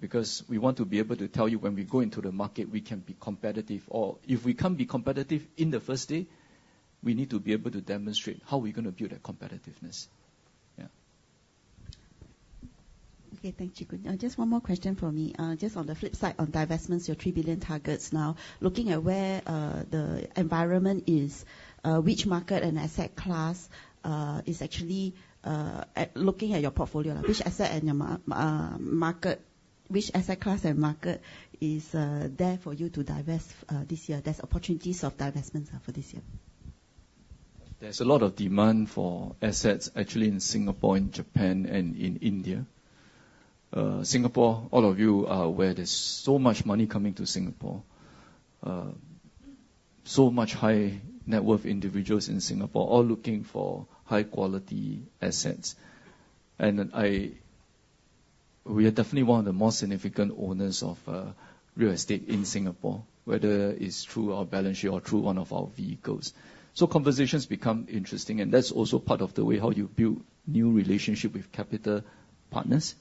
because we want to be able to tell you when we go into the market, we can be competitive. Or if we can't be competitive in the first day, we need to be able to demonstrate how we're gonna build that competitiveness. Yeah. Okay, thank you. Just one more question for me. Just on the flip side, on divestments, your 3 billion targets now, looking at where the environment is, which market and asset class is actually looking at your portfolio, which asset class and market is there for you to divest this year? There's opportunities of divestments for this year. There's a lot of demand for assets, actually, in Singapore, in Japan, and in India. Singapore, all of you are aware there's so much money coming to Singapore. Much high-net-worth individuals in Singapore, all looking for high-quality assets. We are definitely one of the most significant owners of, real estate in Singapore, whether it's through our balance sheet or through one of our vehicles. Conversations become interesting, and that's also part of the way how you build new relationship with capital partners.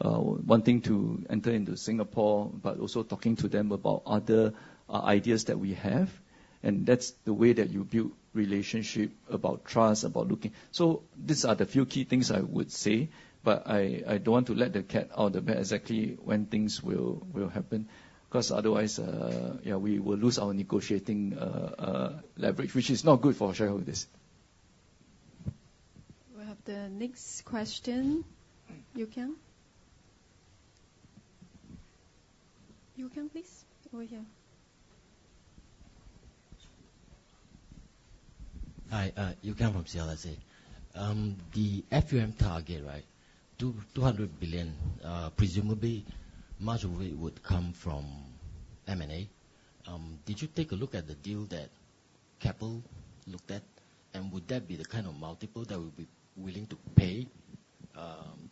Wanting to enter into Singapore, but also talking to them about other, ideas that we have. That's the way that you build relationship, about trust, about looking.. these are the few key things I would say, but I don't want to let the cat out of the bag exactly when things will happen, 'cause otherwise we will lose our negotiating leverage, which is not good for shareholders. We have the next question. Yew Kiang? Yew Kiang, please, over here. Hi, Yuken from CLSA. The AUM target, right, 200 billion, presumably much of it would come from M&A. Did you take a look at the deal that Keppel looked at? Would that be the kind of multiple that would be willing to pay,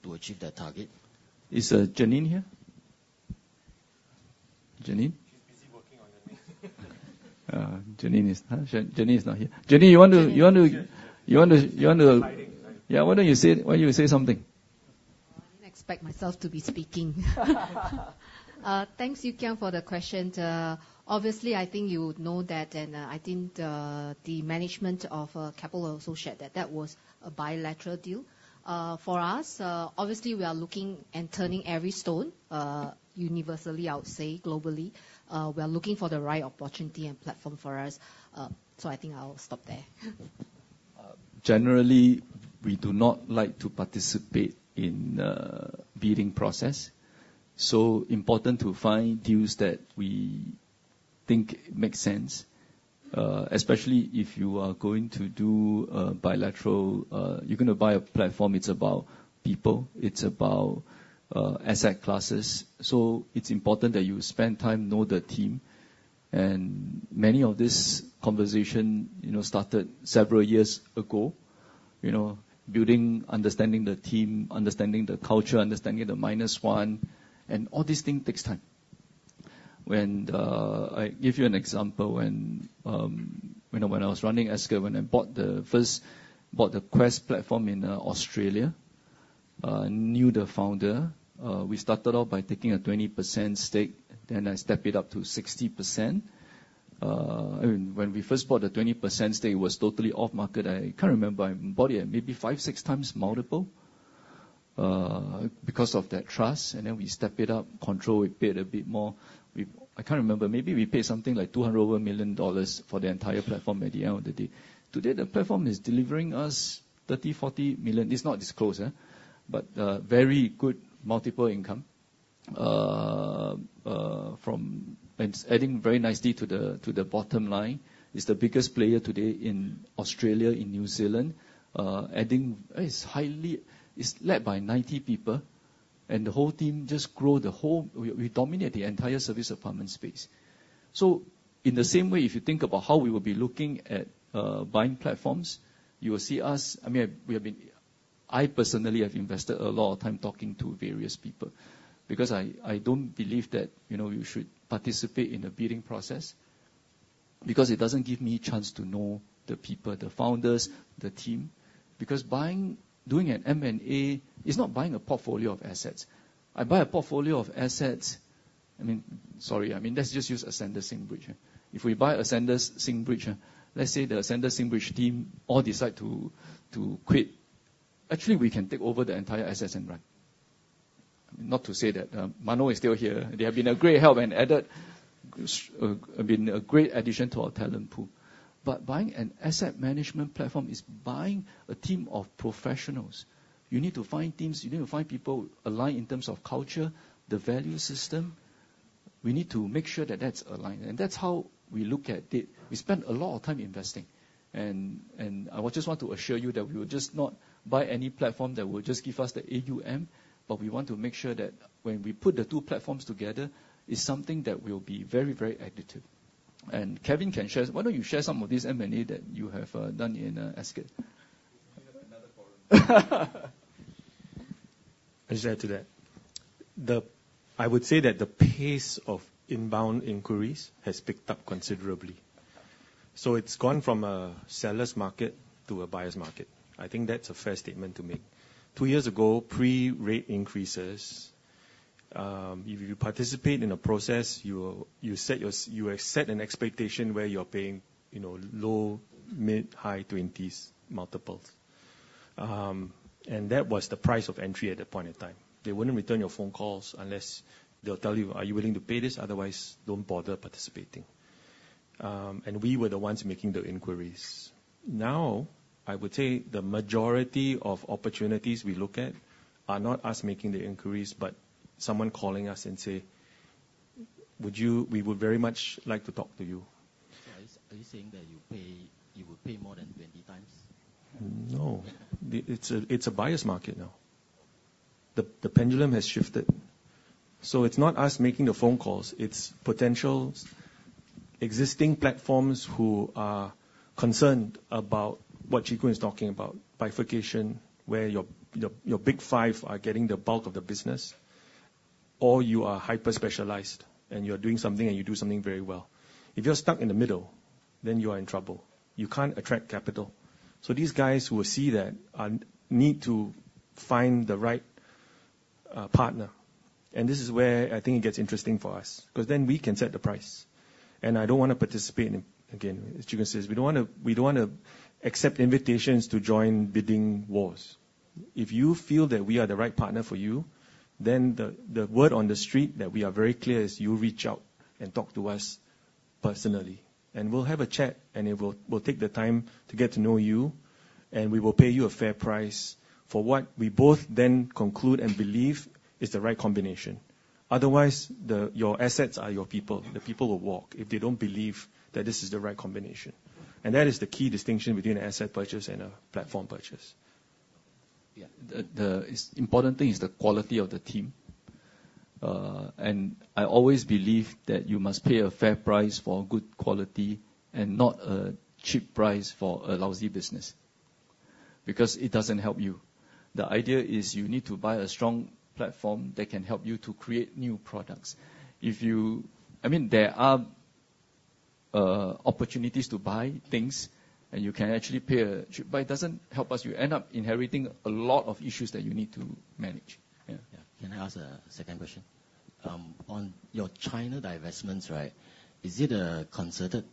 to achieve that target? Is Janine here? Janine? She's busy working on your name. Janine is not here. Janine, you want to- She's hiding. Yeah, why don't you say, why don't you say something? I didn't expect myself to be speaking. Thanks, Yuken, for the question. Obviously, I think you would know that, and I think the management of Keppel also shared that that was a bilateral deal. For us, obviously, we are looking and turning every stone, universally, I would say, globally. We are looking for the right opportunity and platform for us. I think I'll stop there. Generally, we do not like to participate in bidding process. Important to find deals that we think make sense, especially if you are going to do a bilateral-- you're gonna buy a platform, it's about people, it's about asset classes. Its important that you spend time, know the team. Many of this conversation, you know, started several years ago. Building understanding the team, understanding the culture, understanding the minus one, and all these things takes time. When I give you an example, when you know, when I was running Ascendas, when I bought the first-- bought the Quest platform in Australia, knew the founder. We started off by taking a 20% stake, then I step it up to 60%. I mean, when we first bought the 20% stake, it was totally off-market. I can't remember, I bought it at maybe 5-6x multiple, because of that trust, and then we step it up, control, we paid a bit more. I can't remember, maybe we paid something like over $200 million for the entire platform at the end of the day. Today, the platform is delivering us $30-$40 million. It's not disclosed, eh? Very good multiple income, from... It's adding very nicely to the, to the bottom line. It's the biggest player today in Australia, in New Zealand, adding-- It's highly-- It's led by 90 people, and the whole team just grow the whole... We, we dominate the entire service apartment space. In the same way, if you think about how we will be looking at buying platforms, you will see us. I mean, we have been. I personally have invested a lot of time talking to various people because I don't believe that, you know, you should participate in a bidding process because it doesn't give me chance to know the people, the founders, the team. Because buying, doing an M&A is not buying a portfolio of assets. I buy a portfolio of assets, I mean, sorry, I mean, let's just use Ascendas-Singbridge. If we buy Ascendas-Singbridge, let's say the Ascendas-Singbridge team all decide to quit, actually, we can take over the entire assets and run. Not to say that Mano is still here. They have been a great help, and Uncertain has been a great addition to our talent pool. Buying an asset management platform is buying a team of professionals. You need to find teams, you need to find people aligned in terms of culture, the value system. We need to make sure that that's aligned, and that's how we look at it. We spend a lot of time investing, and, and I would just want to assure you that we will just not buy any platform that will just give us the AUM, but we want to make sure that when we put the two platforms together, it's something that will be very, very additive. Kevin can share. Why don't you share some of these M&A that you have done in Ascott? Another forum. I'll just add to that. The I would say that the pace of inbound inquiries has picked up considerably, so it's gone from a seller's market to a buyer's market. I think that's a fair statement to make. Two years ago, pre-rate increases, if you participate in a process, you will, you set your you set an expectation where you're paying, you know, low-, mid-, high-20s multiples. And that was the price of entry at that point in time. They wouldn't return your phone calls unless they'll tell you, "Are you willing to pay this? Otherwise, don't bother participating." We were the ones making the inquiries. Now, I would say the majority of opportunities we look at are not us making the inquiries, but someone calling us and say, "Would you We would very much like to talk to you. Are you saying that you will pay more than 20 times? No. It's a buyer's market now. The pendulum has shifted, so it's not us making the phone calls, it's potential existing platforms who are concerned about what Chee Koon is talking about, bifurcation, where your Big Five are getting the bulk of the business, or you are hyper-specialized, and you're doing something, and you do something very well. If you're stuck in the middle, then you are in trouble. You can't attract capital. These guys will see that and need to find the right partner, and this is where I think it gets interesting for us, because then we can set the price, and I don't want to participate in... Again, as Chee Koon says, we don't want to, we don't want to accept invitations to join bidding wars. If you feel that we are the right partner for you, then the word on the street that we are very clear is, you reach out and talk to us personally, and we'll have a chat, and we'll take the time to get to know you, and we will pay you a fair price for what we both then conclude and believe is the right combination. Otherwise, your assets are your people. The people will walk if they don't believe that this is the right combination. That is the key distinction between an asset purchase and a platform purchase. Yeah. The important thing is the quality of the team. I always believe that you must pay a fair price for good quality and not a cheap price for a lousy business, because it doesn't help you. The idea is you need to buy a strong platform that can help you to create new products. If you... I mean, there are opportunities to buy things, and you can actually pay a cheap, but it doesn't help us. You end up inheriting a lot of issues that you need to manage. Yeah. Yeah. Can I ask a second question? On your China divestments, right, is it a concerted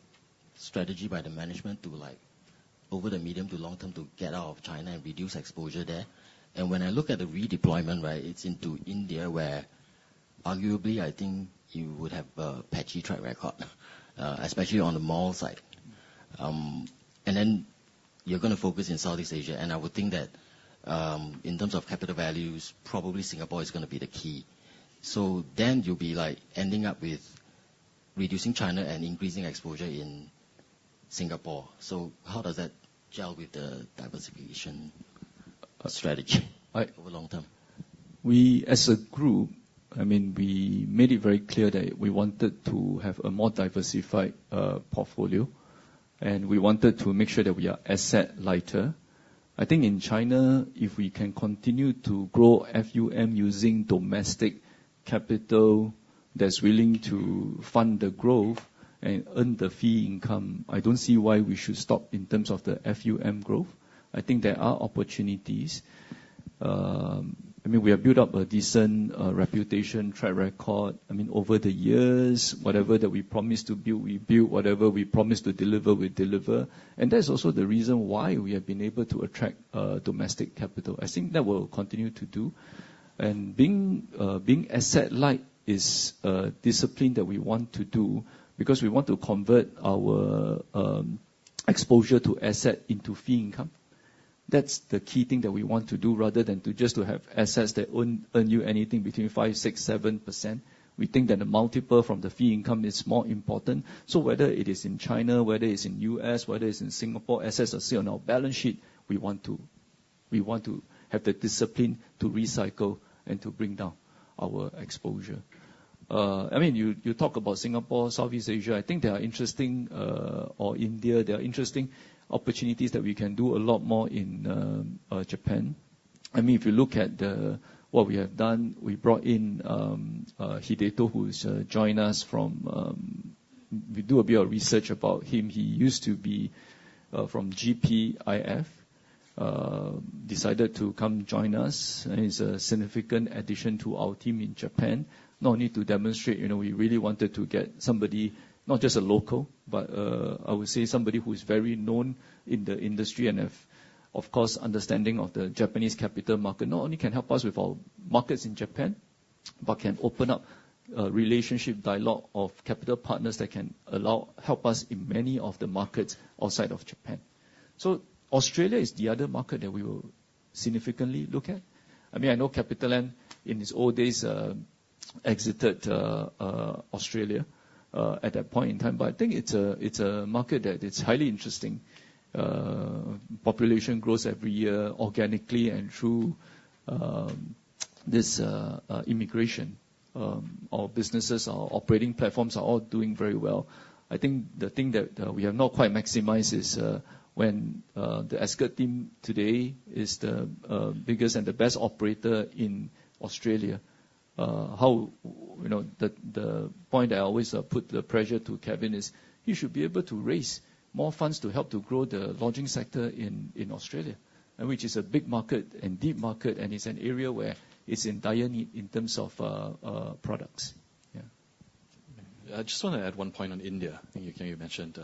strategy by the management to, like, over the medium to long term, to get out of China and reduce exposure there? When I look at the redeployment, right, it's into India, where arguably, I think you would have a patchy track record, especially on the mall side. Then you're going to focus in Southeast Asia, and I would think that, in terms of capital values, probably Singapore is going to be the key. Then you'll be, like, ending up with reducing China and increasing exposure in Singapore. How does that gel with the diversification strategy right, over long term? We, as a group, I mean, we made it very clear that we wanted to have a more diversified portfolio, and we wanted to make sure that we are asset lighter. I think in China, if we can continue to grow FUM using domestic capital that's willing to fund the growth and earn the fee income, I don't see why we should stop in terms of the FUM growth. I think there are opportunities. I mean, we have built up a decent reputation, track record. I mean, over the years, whatever that we promised to build, we build. Whatever we promised to deliver, we deliver. That is also the reason why we have been able to attract domestic capital. I think that we'll continue to do. Being, being asset-light is a discipline that we want to do because we want to convert our exposure to asset into fee income. That's the key thing that we want to do, rather than to just to have assets that earn, earn you anything between 5, 6, 7%. We think that the multiple from the fee income is more important. Whether it is in China, whether it's in U.S., whether it's in Singapore, assets are still on our balance sheet, we want to, we want to have the discipline to recycle and to bring down our exposure. I mean, you, you talk about Singapore, Southeast Asia, I think there are interesting or India, there are interesting opportunities that we can do a lot more in, Japan. I mean, if you look at what we have done, we brought in Hideto, who's joined us from-- We do a bit of research about him. He used to be from GPIF, decided to come join us, and he's a significant addition to our team in Japan. Not only to demonstrate, you know, we really wanted to get somebody, not just a local, but I would say somebody who is very known in the industry and have, of course, understanding of the Japanese capital market. Not only can help us with our markets in Japan, but can open up a relationship dialogue of capital partners that can allow- help us in many of the markets outside of Japan. Australia is the other market that we will significantly look at. I mean, I know CapitaLand, in its old days, exited Australia at that point in time, but I think it's a, it's a market that is highly interesting. Population grows every year, organically and through this immigration. Our businesses, our operating platforms are all doing very well. I think the thing that we have not quite maximized is, when the Ascott team today is the biggest and the best operator in Australia, how— You know, the point I always put the pressure to Kevin is, you should be able to raise more funds to help to grow the lodging sector in Australia, and which is a big market and deep market, and it's an area where it's in dire need in terms of products. Yeah. I just wanna add one point on India, I think you mentioned.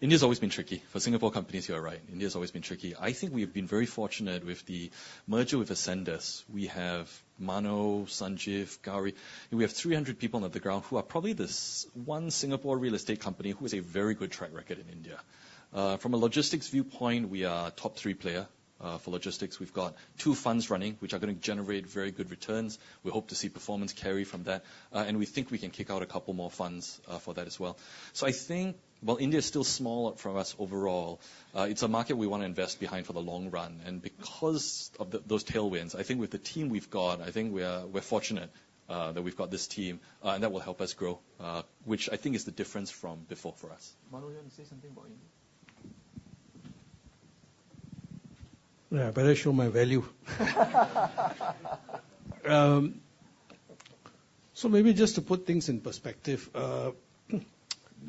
India's always been tricky. For Singapore companies, you are right, India has always been tricky. I think we've been very fortunate with the merger with Ascendas. We have Mano, Sanjiv, Gauri, and we have 300 people on the ground who are probably the one Singapore real estate company who has a very good track record in India. From a logistics viewpoint, we are a top three player. For logistics, we've got two funds running, which are gonna generate very good returns. We hope to see performance carry from that, and we think we can kick out a couple more funds, for that as well. So I think while India is still small for us overall, it's a market we wanna invest behind for the long run. Because of those tailwinds, I think with the team we've got, I think we're fortunate that we've got this team, and that will help us grow, which I think is the difference from before for us. Mano, you want to say something about India? Yeah, I better show my value. Maybe just to put things in perspective,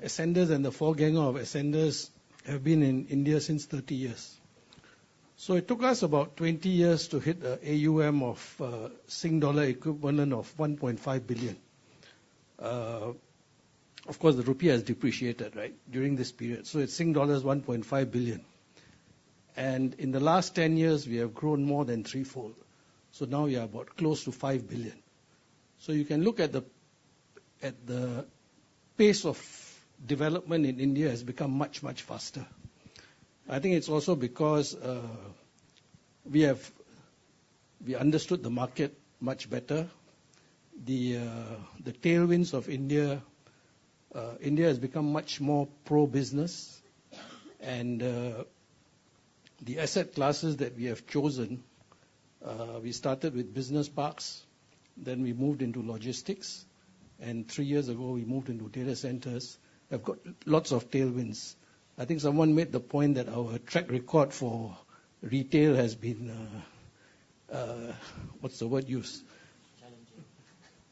Ascendas and the forefront of Ascendas have been in India since 30 years. It took us about 20 years to hit an AUM of Sing Dollar equivalent of 1.5 billion. Of course, the rupee has depreciated, right? During this period, so it's Sing Dollar is 1.5 billion. And in the last 10 years, we have grown more than threefold, so now we are about close to 5 billion. You can look at the pace of development in India has become much, much faster. I think it's also because we have we understood the market much better. The tailwinds of India. India has become much more pro-business, and the asset classes that we have chosen—we started with business parks, then we moved into logistics, and three years ago, we moved into data centers. I've got lots of tailwinds. I think someone made the point that our track record for retail has been—what's the word used? Challenging.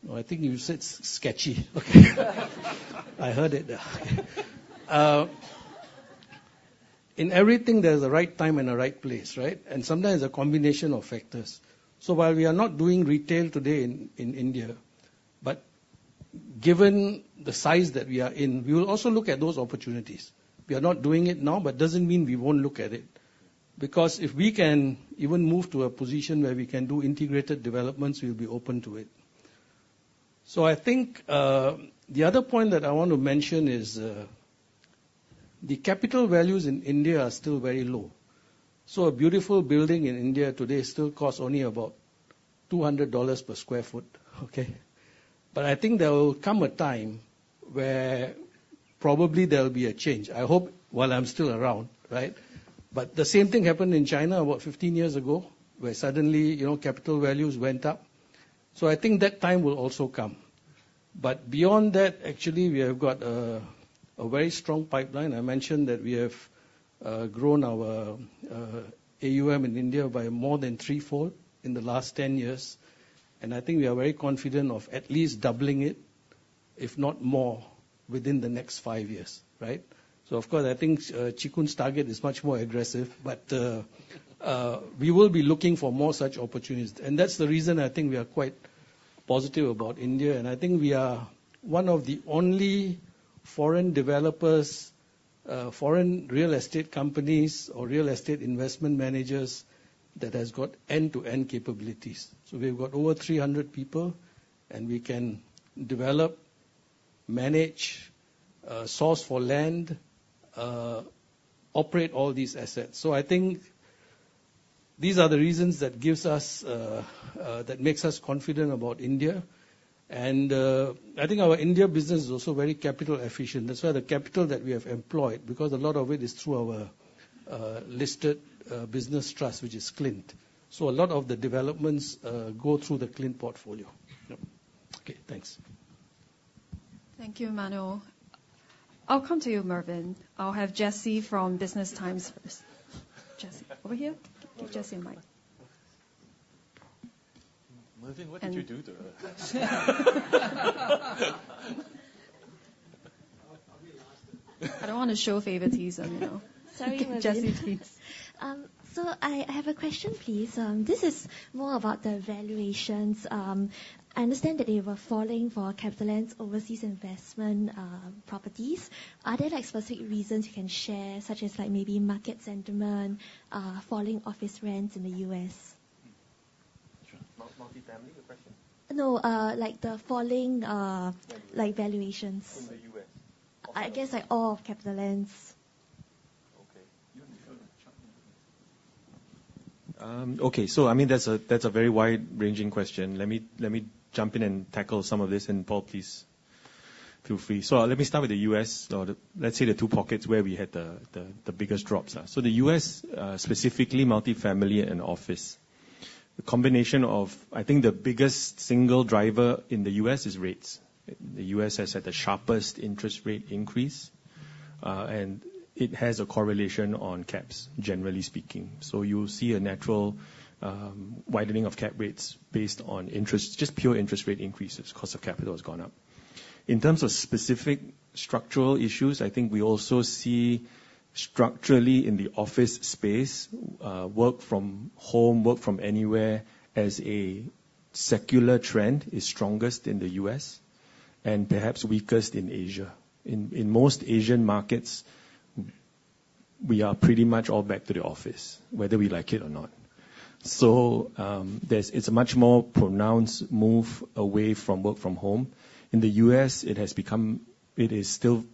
Oh, I think you said sketchy. Okay. I heard it there. In everything, there is a right time and a right place, right? Sometimes a combination of factors. While we are not doing retail today in, in India, but given the size that we are in, we will also look at those opportunities. We are not doing it now, but doesn't mean we won't look at it, because if we can even move to a position where we can do integrated developments, we'll be open to it. I think, the other point that I want to mention is, the capital values in India are still very low. So a beautiful building in India today still costs only about $200 per sq ft, okay? I think there will come a time where probably there will be a change. I hope while I'm still around, right? The same thing happened in China about 15 years ago, where suddenly, you know, capital values went up. I think that time will also come. Zeyond that, actually, we have got a very strong pipeline. I mentioned that we have grown our AUM in India by more than threefold in the last 10 years, and I think we are very confident of at least doubling it, if not more, within the next 5 years, right? So of course, I think, Chee Koon's target is much more aggressive, but, we will be looking for more such opportunities. That's the reason I think we are quite positive about India, and I think we are one of the only foreign developers, foreign real estate companies or real estate investment managers that has got end-to-end capabilities. We've got over 300 people, and we can develop, manage, source for land, operate all these assets. So I think these are the reasons that gives us, that makes us confident about India. And I think our India business is also very capital efficient. That's why the capital that we have employed, because a lot of it is through our, listed, business trust, which is CLINT. So a lot of the developments go through the CLINT portfolio. Yep. Okay, thanks. .Thank you, Mano. I'll come to you, Mervin. I'll have Jessie from Business Times first. Jessie, over here. Give Jessie a mic. Mervin, what did you do to her? I'll be last. I don't want to show favoritism, you know? Sorry, Mervin. Jessie please. I have a question, please. This is more about the valuations. I understand that they were falling for CapitaLand's overseas investment properties. Are there, like, specific reasons you can share, such as, like, maybe market sentiment, falling office rents in the U.S.? Sure. Multi-family, the question? No, like the falling- Valuation. Like valuations. In the U.S.? I guess, like, all of CapitaLand's. Okay. You want to jump into this? Okay. I mean, that's a very wide-ranging question. Let me jump in and tackle some of this, and, Paul, please feel free. Let me start with the U.S. or the-- let's say, the two pockets where we had the biggest drops. The U.S., specifically multifamily and office. The combination of... I think the biggest single driver in the U.S. is rates. The U.S. has had the sharpest interest rate increase, and it has a correlation on caps, generally speaking. So you'll see a natural widening of cap rates based on interest-- just pure interest rate increases, cost of capital has gone up. In terms of specific structural issues, I think we also see structurally in the office space, work from home, work from anywhere, as a secular trend is strongest in the U.S. and perhaps weakest in Asia. In most Asian markets, we are pretty much all back to the office, whether we like it or not. So, it's a much more pronounced move away from work from home. In the U.S., it is still,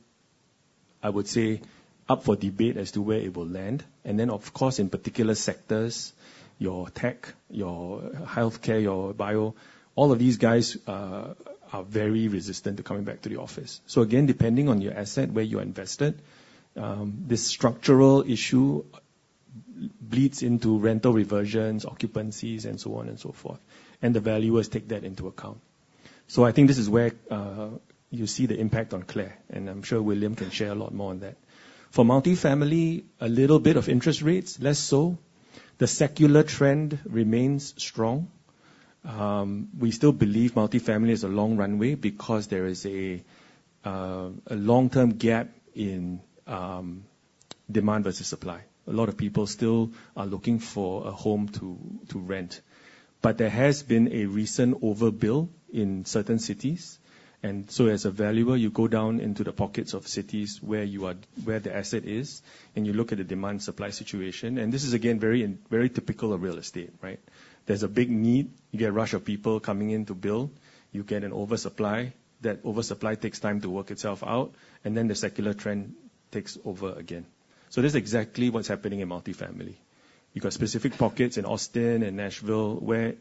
I would say, up for debate as to where it will land. And then, of course, in particular sectors, your tech, your healthcare, your bio, all of these guys are very resistant to coming back to the office. Again, depending on your asset, where you're invested, this structural issue bleeds into rental reversions, occupancies, and so on and so forth, and the valuers take that into account. So I think this is where you see the impact on CLAR, and I'm sure William can share a lot more on that. For multifamily, a little bit of interest rates, less so. The secular trend remains strong. We still believe multifamily is a long runway because there is a long-term gap in demand versus supply. A lot of people still are looking for a home to rent, but there has been a recent overbuild in certain cities. And so as a valuer, you go down into the pockets of cities where you are, where the asset is, and you look at the demand-supply situation. This is, again, very, very typical of real estate, right? There's a big need. You get a rush of people coming in to build. You get an oversupply. That oversupply takes time to work itself out, and then the secular trend takes over again. So this is exactly what's happening in multifamily. You've got specific pockets in Austin and Nashville, where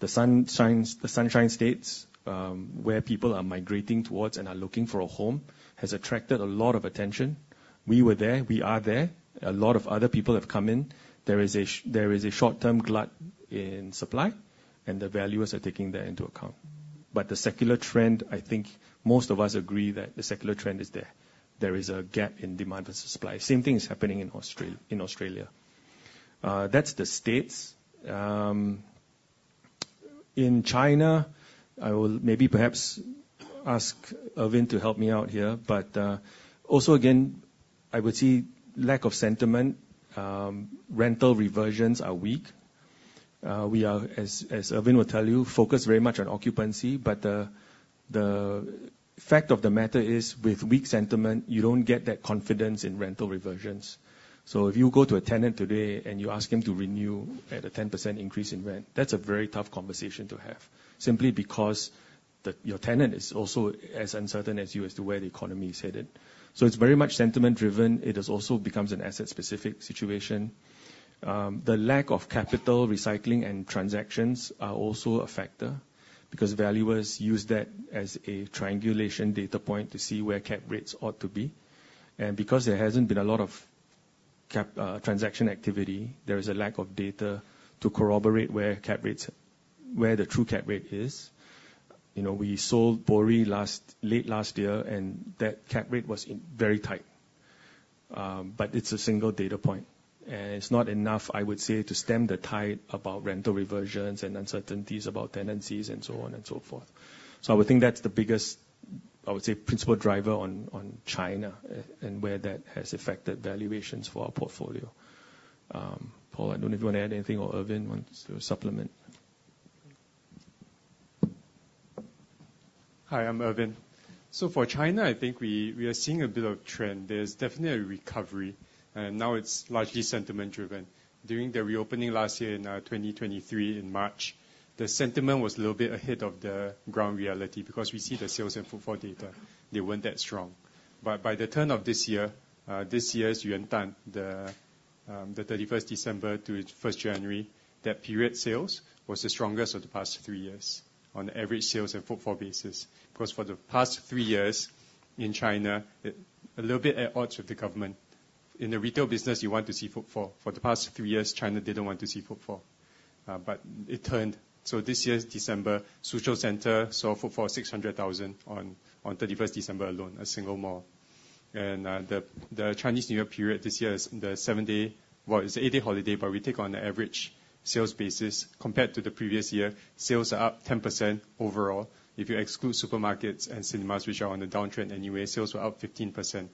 the sun shines—the sunshine states, where people are migrating towards and are looking for a home, has attracted a lot of attention. We were there. We are there. A lot of other people have come in. There is a short-term glut in supply, and the valuers are taking that into account. But the secular trend, I think most of us agree that the secular trend is there. There is a gap in demand versus supply. Same thing is happening in Australia. That's the States. In China, I will maybe perhaps ask Ervin to help me out here, but also again, I would see lack of sentiment. Rental reversions are weak. We are, as Ervin will tell you, focused very much on occupancy, but the fact of the matter is, with weak sentiment, you don't get that confidence in rental reversions. If you go to a tenant today, and you ask him to renew at a 10% increase in rent, that's a very tough conversation to have, simply because your tenant is also as uncertain as you as to where the economy is headed. So it's very much sentiment driven. It is also becomes an asset-specific situation. The lack of capital recycling and transactions are also a factor because valuers use that as a triangulation data point to see where cap rates ought to be. And because there hasn't been a lot of cap, transaction activity, there is a lack of data to corroborate where cap rates—where the true cap rate is. You know, we sold Uncertain late last year, and that cap rate was in very tight. But it's a single data point, and it's not enough, I would say, to stem the tide about rental reversions and uncertainties about tenancies and so on and so forth. I would think that's the biggest, I would say, principal driver on, on China, and where that has affected valuations for our portfolio. Paul, I don't know if you want to add anything or Irvin wants to supplement. Hi, I'm Irvin. For China, I think we are seeing a bit of trend. There's definitely a recovery, and now it's largely sentiment driven. During the reopening last year in 2023, in March, the sentiment was a little bit ahead of the ground reality because we see the sales and footfall data. They weren't that strong. By the turn of this year, this year's Yuandan, the thirty-first December to first January, that period sales was the strongest of the past three years on average sales and footfall basis. Because for the past three years in China, a little bit at odds with the government. In the retail business, you want to see footfall. For the past three years, China didn't want to see footfall, but it turned. This year's December, Suzhou Center sold for 600,000 on 31st December alone, a single mall. And the Chinese New Year period this year is the seven-day—well, it's an eight-day holiday, but we take on the average sales basis. Compared to the previous year, sales are up 10% overall. If you exclude supermarkets and cinemas, which are on a downtrend anyway, sales were up 15%,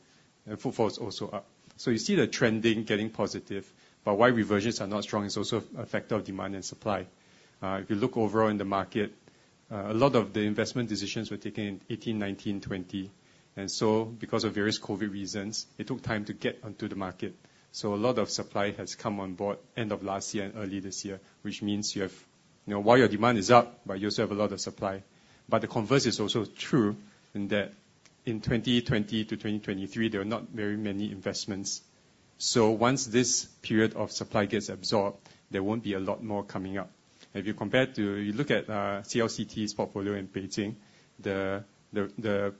and footfall is also up. So you see the trending getting positive. Why reversions are not strong is also a factor of demand and supply. If you look overall in the market, a lot of the investment decisions were taken in 2018, 2019, 2020, and so because of various COVID reasons, it took time to get onto the market. Alot of supply has come on board end of last year and early this year, which means you have—you know, while your demand is up, but you also have a lot of supply. The converse is also true, in that in 2020 to 2023, there are not very many investments. So once this period of supply gets absorbed, there won't be a lot more coming up. If you compare to... You look at CLCT's portfolio in Beijing, the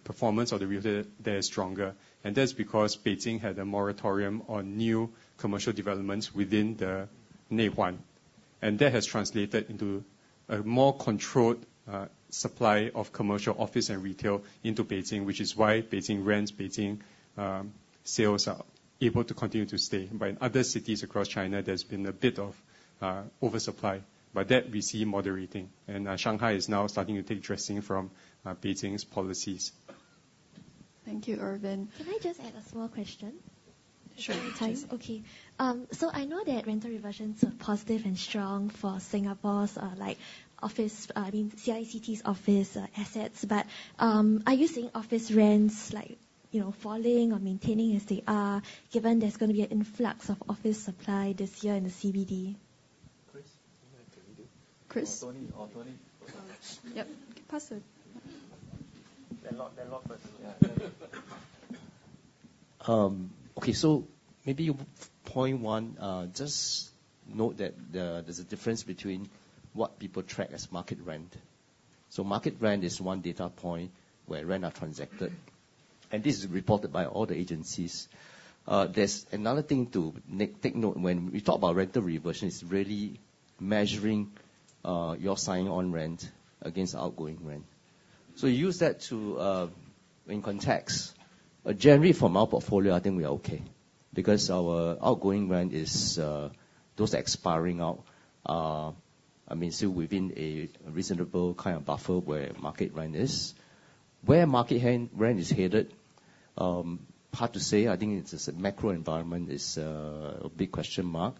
performance of the realtor there is stronger, and that's because Beijing had a moratorium on new commercial developments within the Neihuan. That has translated into a more controlled supply of commercial office and retail into Beijing, which is why Beijing rents, Beijing sales are able to continue to stay. In other cities across China, there's been a bit of oversupply, but that we see moderating, and Shanghai is now starting to take direction from Beijing's policies. Thank you, Irvin. Can I just add a small question? Sure. Okay. I know that rental reversions are positive and strong for Singapore's, like, office, the CICT's office, assets. Are you seeing office rents like, you know, falling or maintaining as they are, given there's going to be an influx of office supply this year in the CBD? Chris, you want to read it? Chris. Or Tony, or Tony. Yep. Pass it. That lot, that lot first. Okay, so maybe point one, just note that there, there's a difference between what people track as market rent. Market rent is one data point where rent are transacted, and this is reported by all the agencies. There's another thing to take note, when we talk about rental reversion, it's really measuring, your sign-on rent against outgoing rent. So use that to, in context. Generally, from our portfolio, I think we are okay because our outgoing rent is, those expiring out are, I mean, still within a reasonable kind of buffer where market rent is. Where market rent is headed, hard to say. I think it's just the macro environment is, a big question mark.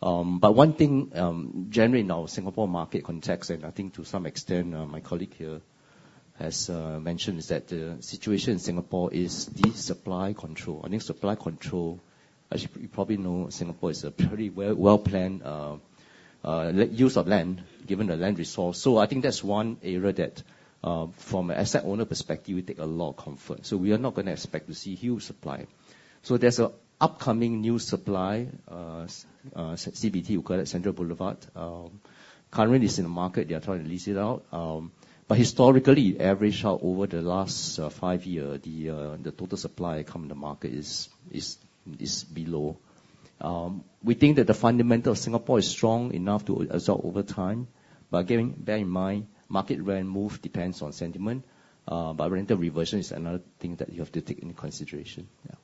One thing, generally in our Singapore market context, and I think to some extent, my colleague here has mentioned, is that the situation in Singapore is the supply control. I think supply control, as you probably know, Singapore is a pretty well-planned use of land, given the land resource. So I think that's one area that, from an asset owner perspective, we take a lot of comfort. So we are not gonna expect to see huge supply. There's an upcoming new supply, CBD, you've got at Central Boulevard. Currently, it's in the market. They are trying to lease it out. But historically, average out over the last five year, the total supply coming to market is below. We think that the fundamental of Singapore is strong enough to absorb over time. But bear in mind, market rent move depends on sentiment, but rental reversion is another thing that you have to take into consideration. Yeah.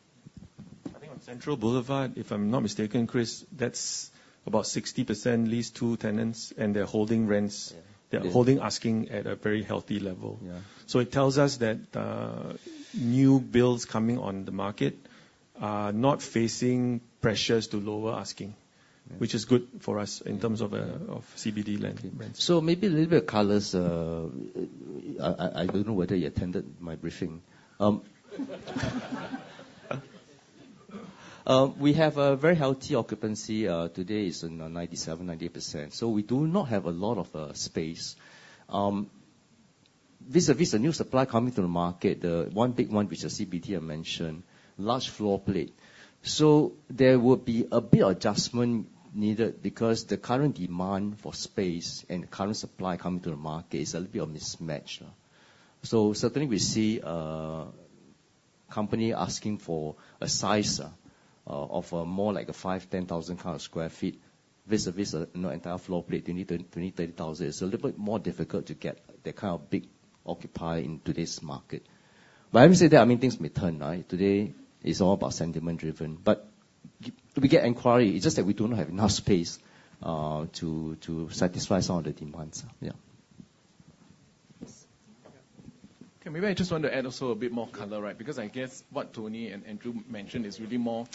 I think on Central Boulevard, if I'm not mistaken, Chris, that's about 60% leased to tenants, and they're holding rents- Yeah. They're holding asking at a very healthy level. Yeah. It tells us that, new builds coming on the market are not facing pressures to lower asking- Yeah. which is good for us in terms of, of CBD lending rents. Maybe a little bit of colors. I don't know whether you attended my briefing. We have a very healthy occupancy. Today is, you know, 97%-98%, so we do not have a lot of space. Vis-a-vis the new supply coming to the market, the one big one, which is CBD, I mentioned, large floor plate. So there will be a bit of adjustment needed because the current demand for space and current supply coming to the market is a little bit of mismatch. Certainly, we see a company asking for a size of more like a 5-10,000 kind of sq ft, vis-a-vis, you know, entire floor plate, 20-30,000. It's a little bit more difficult to get that kind of big occupier in today's market. Having said that, I mean, things may turn, right? Today, it's all about sentiment-driven. We get inquiry, it's just that we do not have enough space to satisfy some of the demands. Yeah. Yes. Okay, maybe I just want to add also a bit more color, right? Because I guess what Tony and Andrew mentioned is really more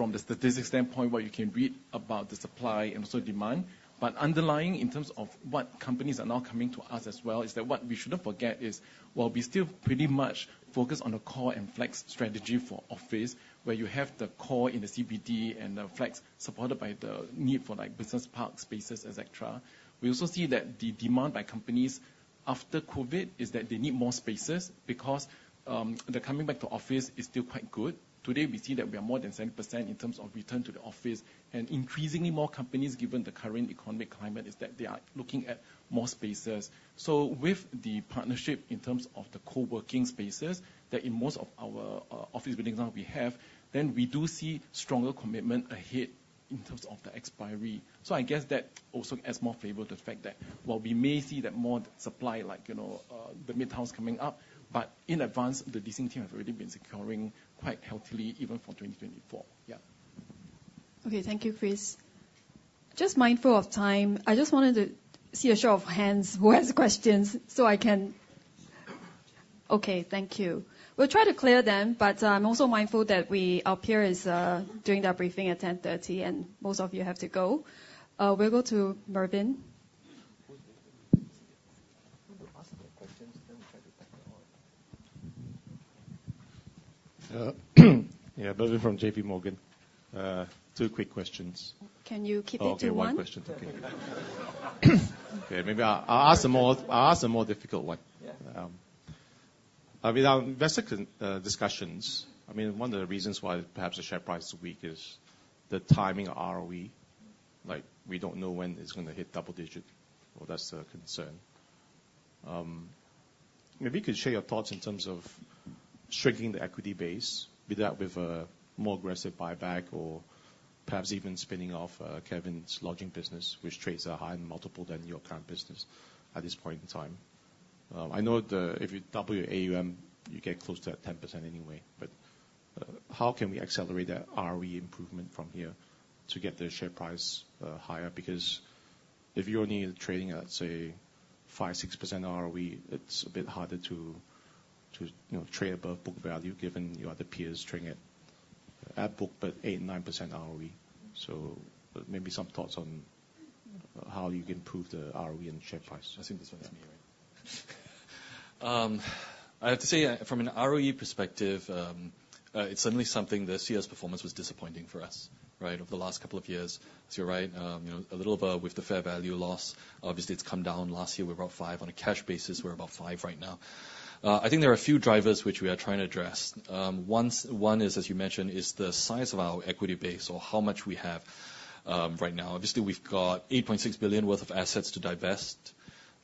from the statistics standpoint, what you can read about the supply and also demand. But underlying, in terms of what companies are now coming to us as well, is that what we shouldn't forget is, while we still pretty much focus on the core and flex strategy for office, where you have the core in the CBD and the flex supported by the need for, like, business park spaces, et cetera. We also see that the demand by companies after COVID is that they need more spaces because the coming back to office is still quite good. Today, we see that we are more than 7% in terms of return to the office, and increasingly more companies, given the current economic climate, is that they are looking at more spaces. So with the partnership, in terms of the co-working spaces, that in most of our, office buildings now we have, then we do see stronger commitment ahead in terms of the expiry. So I guess that also adds more favor to the fact that while we may see that more supply, like, you know, the midtown's coming up, but in advance, the leasing team have already been securing quite healthily, even for 2024. Yeah. Okay, thank you, Chris. Just mindful of time, I just wanted to see a show of hands, who has questions so I can. Okay, thank you. We'll try to clear them, but I'm also mindful that we, our peer is doing their briefing at 10:30, and most of you have to go. We'll go to Mervin. Ask the questions, then we try to back them on. Yeah, Mervin from JP Morgan. Two quick questions. Can you keep it to one? Okay, one question. Okay, maybe I'll ask a more difficult one. Yeah. With our investor discussions, I mean, one of the reasons why perhaps the share price is weak is the timing of ROE. Like, we don't know when it's gonna hit double digit, or that's the concern. If you could share your thoughts in terms of shrinking the equity base, be that with a more aggressive buyback or perhaps even spinning off Kevin's lodging business, which trades a higher multiple than your current business at this point in time. I know if you double your AUM, you get close to that 10% anyway. But how can we accelerate that ROE improvement from here to get the share price higher? Because if you're only trading at, say, 5%-6% ROE, it's a bit harder to you know, trade above book value, given your other peers trading at book, but 8%-9% ROE. So maybe some thoughts on how you can improve the ROE and share price. I think this one is me, right? I have to say, from an ROE perspective, it's certainly something this year's performance was disappointing for us, right, over the last couple of years. So you're right, you know, a little bit with the fair value loss. Obviously, it's come down. Last year, we were about 5. On a cash basis, we're about 5 right now. I think there are a few drivers which we are trying to address. One is, as you mentioned, is the size of our equity base, or how much we have, right now. Obviously, we've got 8.6 billion worth of assets to divest.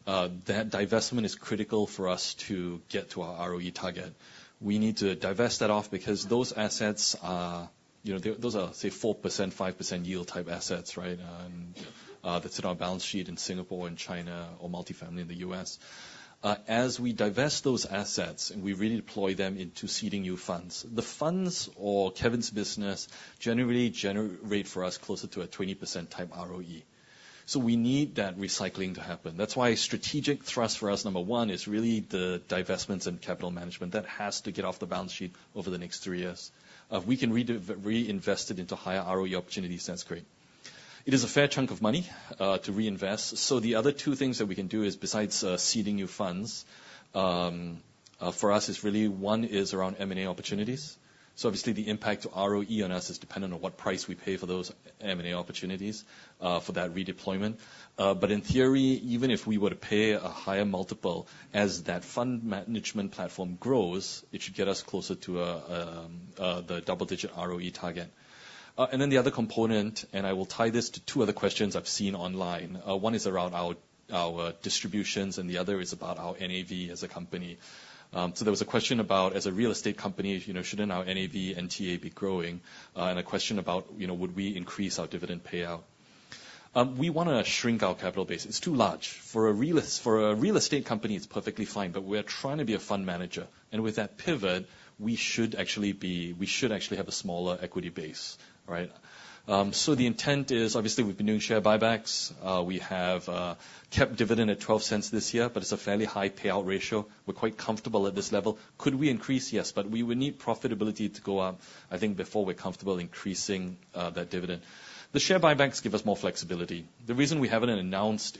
That divestment is critical for us to get to our ROE target. We need to divest that off because those assets are, you know, those are, say, 4%, 5% yield type assets, right? That's in our balance sheet in Singapore and China, or multifamily in the US. As we divest those assets, and we redeploy them into seeding new funds, the funds or Kevin's business generally generate rate for us closer to a 20% type ROE. So we need that recycling to happen. That's why strategic thrust for us, number one, is really the divestments and capital management. That has to get off the balance sheet over the next 3 years. We can reinvest it into higher ROE opportunities, that's great. It is a fair chunk of money to reinvest. The other two things that we can do is, besides, seeding new funds, for us, is really, one is around M&A opportunities. So obviously, the impact to ROE on us is dependent on what price we pay for those M&A opportunities, for that redeployment. But in theory, even if we were to pay a higher multiple, as that fund management platform grows, it should get us closer to a, the double-digit ROE target. Then the other component, and I will tie this to two other questions I've seen online, one is around our, our distributions, and the other is about our NAV as a company. So there was a question about, as a real estate company, you know, shouldn't our NAV and TA be growing? And a question about, you know, would we increase our dividend payout? We wanna shrink our capital base. It's too large. For a real estate company, it's perfectly fine, but we're trying to be a fund manager. And with that pivot, we should actually be, we should actually have a smaller equity base, right? So the intent is, obviously, we've been doing share buybacks. We have kept dividend at 0.12 this year, but it's a fairly high payout ratio. We're quite comfortable at this level. Could we increase? Yes, but we would need profitability to go up, I think, before we're comfortable increasing that dividend. The share buybacks give us more flexibility. The reason we haven't announced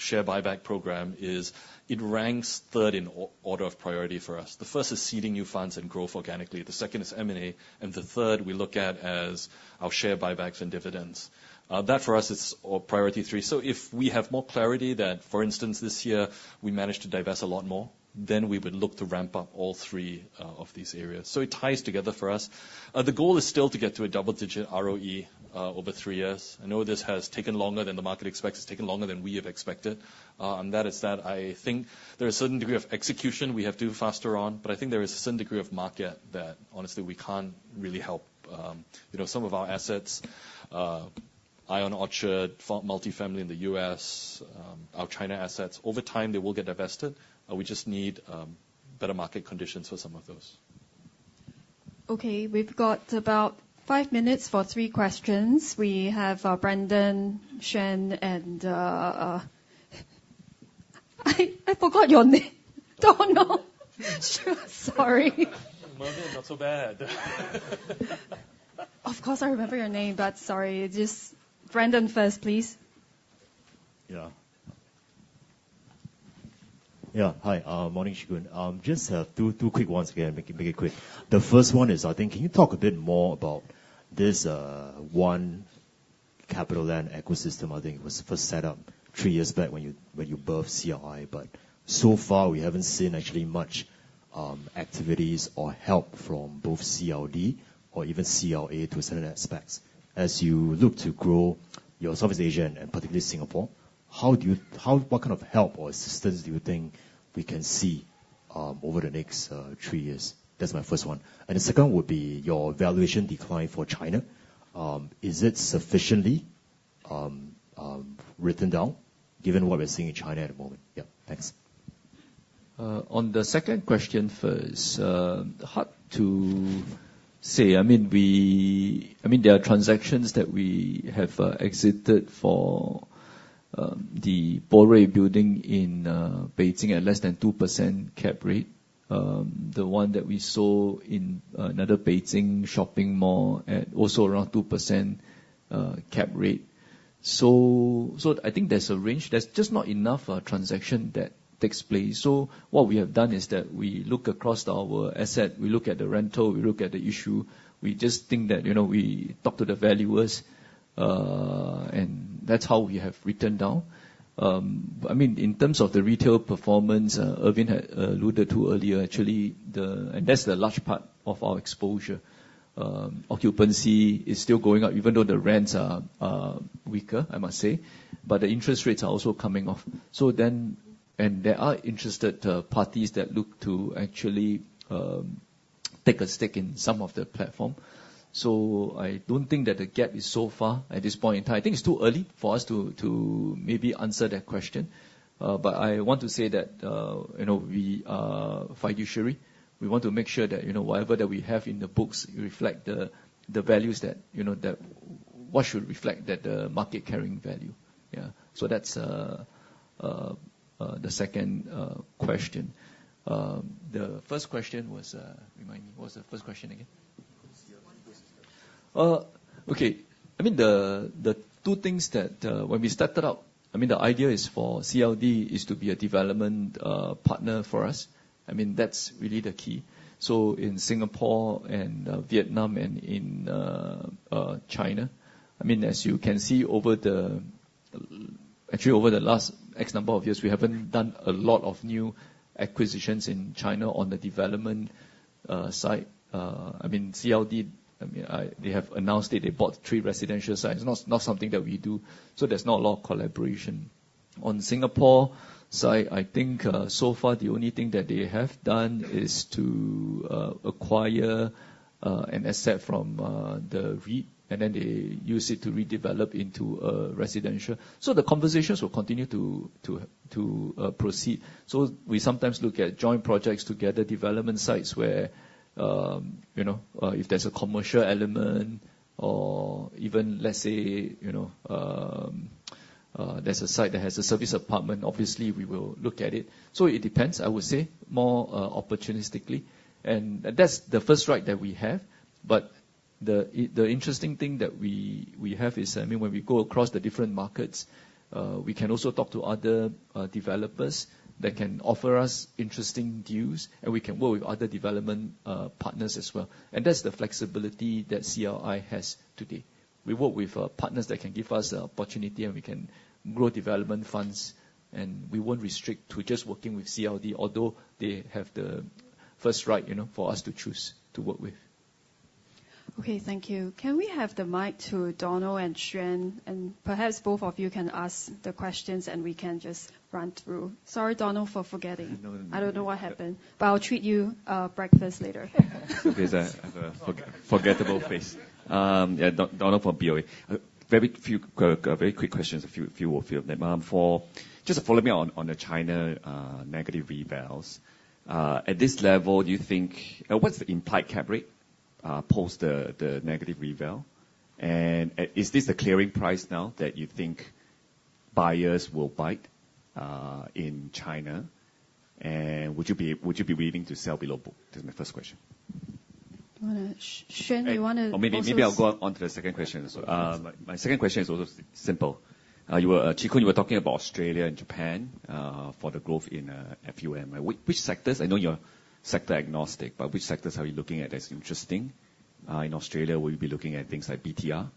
a share buyback program is it ranks third in order of priority for us. The first is seeding new funds and growth organically, the second is M&A, and the third we look at as our share buybacks and dividends. That, for us, is our priority three. So if we have more clarity that, for instance, this year, we managed to divest a lot more, then we would look to ramp up all three of these areas. So it ties together for us. The goal is still to get to a double-digit ROE over three years. I know this has taken longer than the market expects. It's taken longer than we have expected. And that is that. I think there are a certain degree of execution we have to do faster on, but I think there is a certain degree of market that, honestly, we can't really help. You know, some of our assets, ION Orchard, multifamily in the U.S., our China assets, over time, they will get divested. We just need better market conditions for some of those. Okay, we've got about five minutes for three questions. We have Brandon, Xuan, and... I forgot your name. Don't know. Sure, sorry. Mervin, not so bad. Of course, I remember your name, but sorry, just Brandon first, please. Yeah. Yeah, hi, morning, Chee Koon. Just two quick ones, again, make it quick. The first one is, I think, can you talk a bit more about this one CapitaLand ecosystem? I think it was first set up 3 years back when you birthed CLI. But so far, we haven't seen actually much activities or help from both CLD or even CLA to a certain aspects. As you look to grow your Southeast Asia and particularly Singapore, how do you— what kind of help or assistance do you think we can see over the next 3 years? That's my first one. And the second would be your valuation decline for China. Is it sufficiently written down, given what we're seeing in China at the moment? Yeah, thanks. On the second question first, hard to say. I mean, there are transactions that we have exited for the Borui building in Beijing at less than 2% cap rate. The one that we saw in another Beijing shopping mall at also around 2% cap rate. So I think there's a range. There's just not enough transaction that takes place. What we have done is that we look across our asset, we look at the rental, we look at the issue. We just think that, you know, we talk to the valuers, and that's how we have written down. But I mean, in terms of the retail performance, Irvin had alluded to earlier, actually, the and that's the large part of our exposure. Occupancy is still going up, even though the rents are weaker, I must say, but the interest rates are also coming off. So then—and there are interested parties that look to actually take a stake in some of the platform. So I don't think that the gap is so far at this point in time. I think it's too early for us to maybe answer that question. But I want to say that, you know, we are fiduciary. We want to make sure that, you know, whatever that we have in the books reflect the values that, you know, that—what should reflect that market carrying value. Yeah. So that's the second question. The first question was... Remind me, what was the first question again? CLD. Okay. I mean, the two things that when we started out, I mean, the idea is for CLD to be a development partner for us. I mean, that's really the key. So in Singapore and Vietnam and in China, I mean, as you can see, over actually over the last X number of years, we haven't done a lot of new acquisitions in China on the development side. I mean, CLD, I mean, they have announced that they bought 3 residential sites. Not something that we do, so there's not a lot of collaboration. On Singapore side, I think so far, the only thing that they have done is to acquire an asset from the REIT, and then they use it to redevelop into residential. The conversations will continue to proceed. So we sometimes look at joint projects together, development sites where, you know, if there's a commercial element or even, let's say, you know, there's a site that has a service apartment, obviously, we will look at it. So it depends, I would say, more opportunistically, and that's the first right that we have. The interesting thing that we have is, I mean, when we go across the different markets, we can also talk to other developers that can offer us interesting deals, and we can work with other development partners as well. And that's the flexibility that CLI has today. We work with partners that can give us the opportunity, and we can grow development funds, and we won't restrict to just working with CLD, although they have the first right, you know, for us to choose to work with. Okay, thank you. Can we have the mic to Donald and Xuan? Perhaps both of you can ask the questions, and we can just run through. Sorry, Donald, for forgetting. No, no... I don't know what happened, but I'll treat you breakfast later. Okay, I have a forgettable face. Yeah, Donald from BOA. Very few very quick questions, a few of them. Just follow me on the China negative revals. At this level, do you think... what's the implied cap rate post the negative reval? Is this the clearing price now that you think buyers will bite in China? And would you be willing to sell below book? That's my first question. Xuan, you wanna also- Or maybe, maybe I'll go on to the second question as well. Yes. My, my second question is also simple. You were Chee Koon, you were talking about Australia and Japan for the growth in FUM. Which, which sectors—I know you're sector-agnostic, but which sectors are you looking at that's interesting? In Australia, will you be looking at things like BTR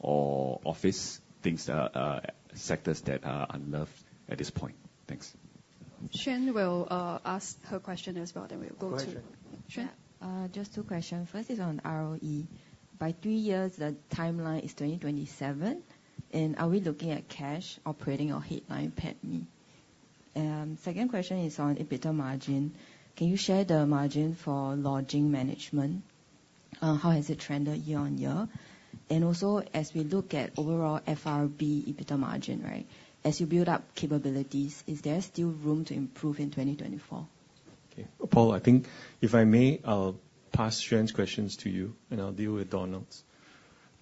or office, things that are sectors that are unloved at this point? Thanks. Xuan will ask her question as well, then we'll go to- Go ahead, Xuan. Xuan? Just two questions. First is on ROE. By three years, the timeline is 2027, and are we looking at cash operating or headline PATMI? And second question is on EBITDA margin. Can you share the margin for lodging management? How has it trended year-on-year? And also, as we look at overall FRB EBITDA margin, right, as you build up capabilities, is there still room to improve in 2024? Okay. Paul, I think if I may, I'll pass Xuan's questions to you, and I'll deal with Donald's.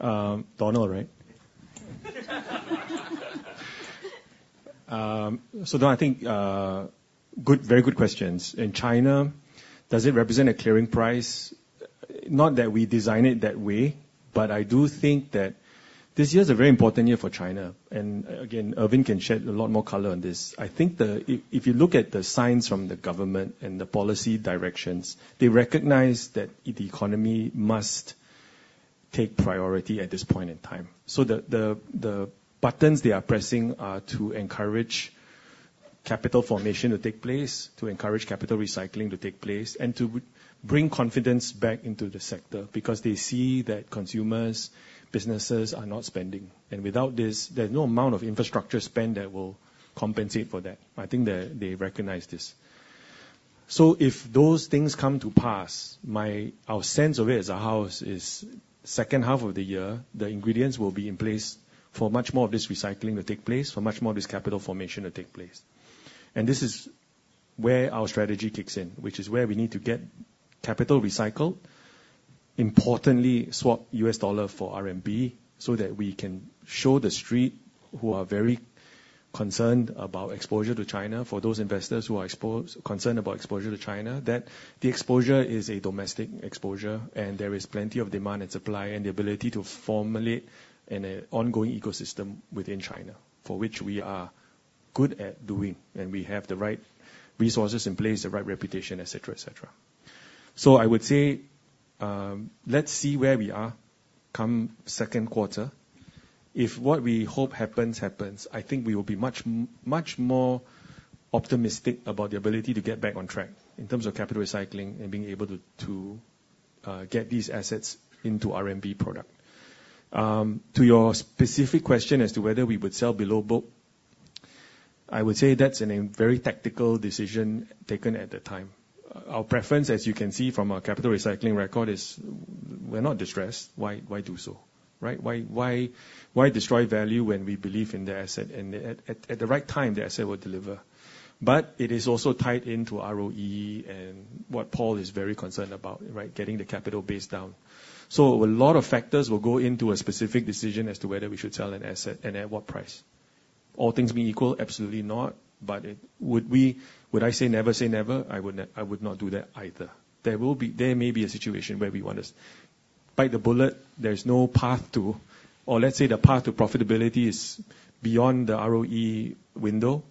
Donald, right? So Don, I think, good, very good questions. In China, does it represent a clearing price? Not that we design it that way, but I do think that this year is a very important year for China. And again, Irvin can shed a lot more color on this. I think if you look at the signs from the government and the policy directions, they recognize that the economy must take priority at this point in time. The buttons they are pressing are to encourage capital formation to take place, to encourage capital recycling to take place, and to bring confidence back into the sector, because they see that consumers, businesses are not spending. Without this, there's no amount of infrastructure spend that will compensate for that. I think they recognize this. If those things come to pass, our sense of it as a house is second half of the year, the ingredients will be in place for much more of this recycling to take place, for much more of this capital formation to take place. This is where our strategy kicks in, which is where we need to get capital recycled, importantly, swap US dollar for RMB, so that we can show the street, who are very concerned about exposure to China, for those investors who are concerned about exposure to China, that the exposure is a domestic exposure, and there is plenty of demand and supply, and the ability to formulate an ongoing ecosystem within China, for which we are good at doing, and we have the right resources in place, the right reputation, et cetera, et cetera. I would say, let's see where we are come second quarter. If what we hope happens, happens, I think we will be much more optimistic about the ability to get back on track in terms of capital recycling and being able to get these assets into RMB product. To your specific question as to whether we would sell below book, I would say that's a very tactical decision taken at the time. Our preference, as you can see from our capital recycling record, is we're not distressed. Why destroy value when we believe in the asset? And at the right time, the asset will deliver. But it is also tied into ROE and what Paul is very concerned about, right? Getting the capital base down. Alot of factors will go into a specific decision as to whether we should sell an asset and at what price. All things being equal, absolutely not. But would I say never say never? I would not do that either. There may be a situation where we want to bite the bullet. There is no path to profitability, or let's say the path to profitability is beyond the ROE window,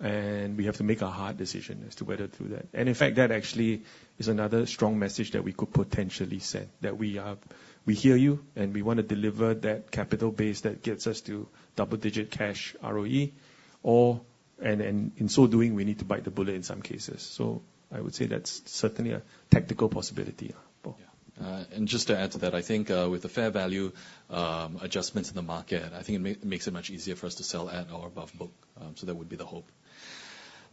and we have to make a hard decision as to whether to do that. In fact, that actually is another strong message that we could potentially send, that we hear you, and we wanna deliver that capital base that gets us to double digit cash ROE. And in so doing, we need to bite the bullet in some cases. I would say that's certainly a tactical possibility, Paul. Yeah. just to add to that, I think with the fair value adjustments in the market, I think it makes it much easier for us to sell at or above book, so that would be the hope.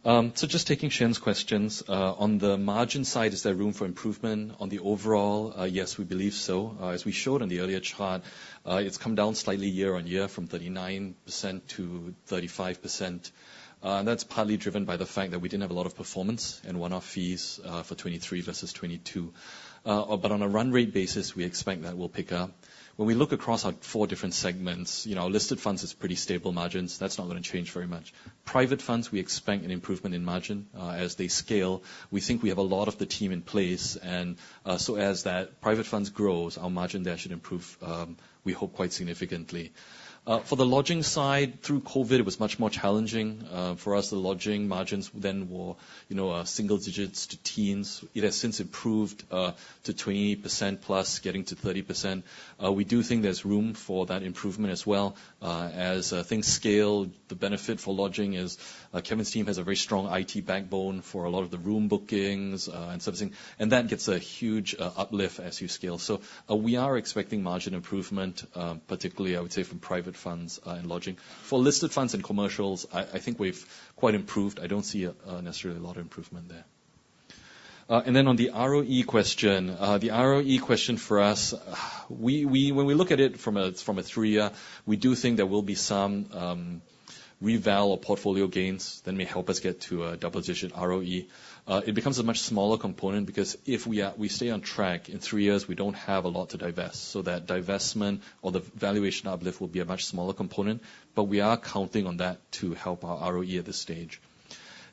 So just taking Shen's questions. On the margin side, is there room for improvement on the overall? Yes, we believe so. As we showed on the earlier chart, it's come down slightly year-on-year from 39% to 35%. That's partly driven by the fact that we didn't have a lot of performance and one-off fees for 2023 versus 2022. On a run rate basis, we expect that will pick up. When we look across our four different segments, you know, our listed funds is pretty stable margins. That's not gonna change very much. Private funds, we expect an improvement in margin as they scale. We think we have a lot of the team in place, and so as that private funds grows, our margin there should improve, we hope, quite significantly. For the lodging side, through COVID, it was much more challenging. For us, the lodging margins then were, you know, single digits to teens. It has since improved to 20% plus, getting to 30%. We do think there's room for that improvement as well. As things scale, the benefit for lodging is, Kevin's team has a very strong IT backbone for a lot of the room bookings, and sort of thing, and that gets a huge uplift as you scale. We are expecting margin improvement, particularly, I would say, from private funds, and lodging. For listed funds and commercials, I think we've quite improved. I don't see necessarily a lot of improvement there. And then on the ROE question, the ROE question for us, we, when we look at it from a three-year, we do think there will be some reval or portfolio gains that may help us get to a double-digit ROE. It becomes a much smaller component, because if we stay on track, in three years, we don't have a lot to divest. So that divestment or the valuation uplift will be a much smaller component, but we are counting on that to help our ROE at this stage.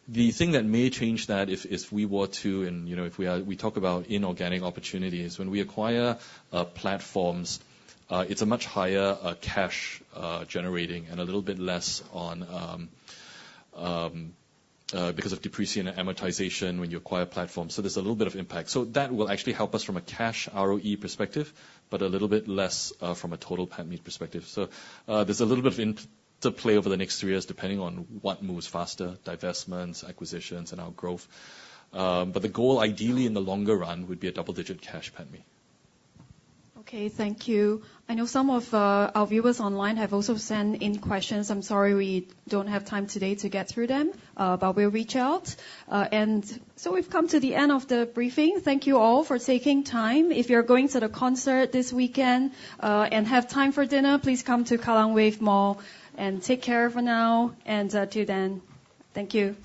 The thing that may change that is if we were to, and, you know, if we are to talk about inorganic opportunities. When we acquire platforms, it's a much higher cash generating and a little bit less on because of depreciation and amortization when you acquire platforms. So there's a little bit of impact. So that will actually help us from a cash ROE perspective, but a little bit less from a total PATMI perspective. So there's a little bit of interplay over the next three years, depending on what moves faster, divestments, acquisitions, and our growth. But the goal, ideally, in the longer run, would be a double-digit cash PATMI. Okay, thank you. I know some of our viewers online have also sent in questions. I'm sorry, we don't have time today to get through them, but we'll reach out. And so we've come to the end of the briefing. Thank you all for taking time. If you're going to the concert this weekend, and have time for dinner, please come to Kallang Wave Mall, and take care for now and till then. Thank you.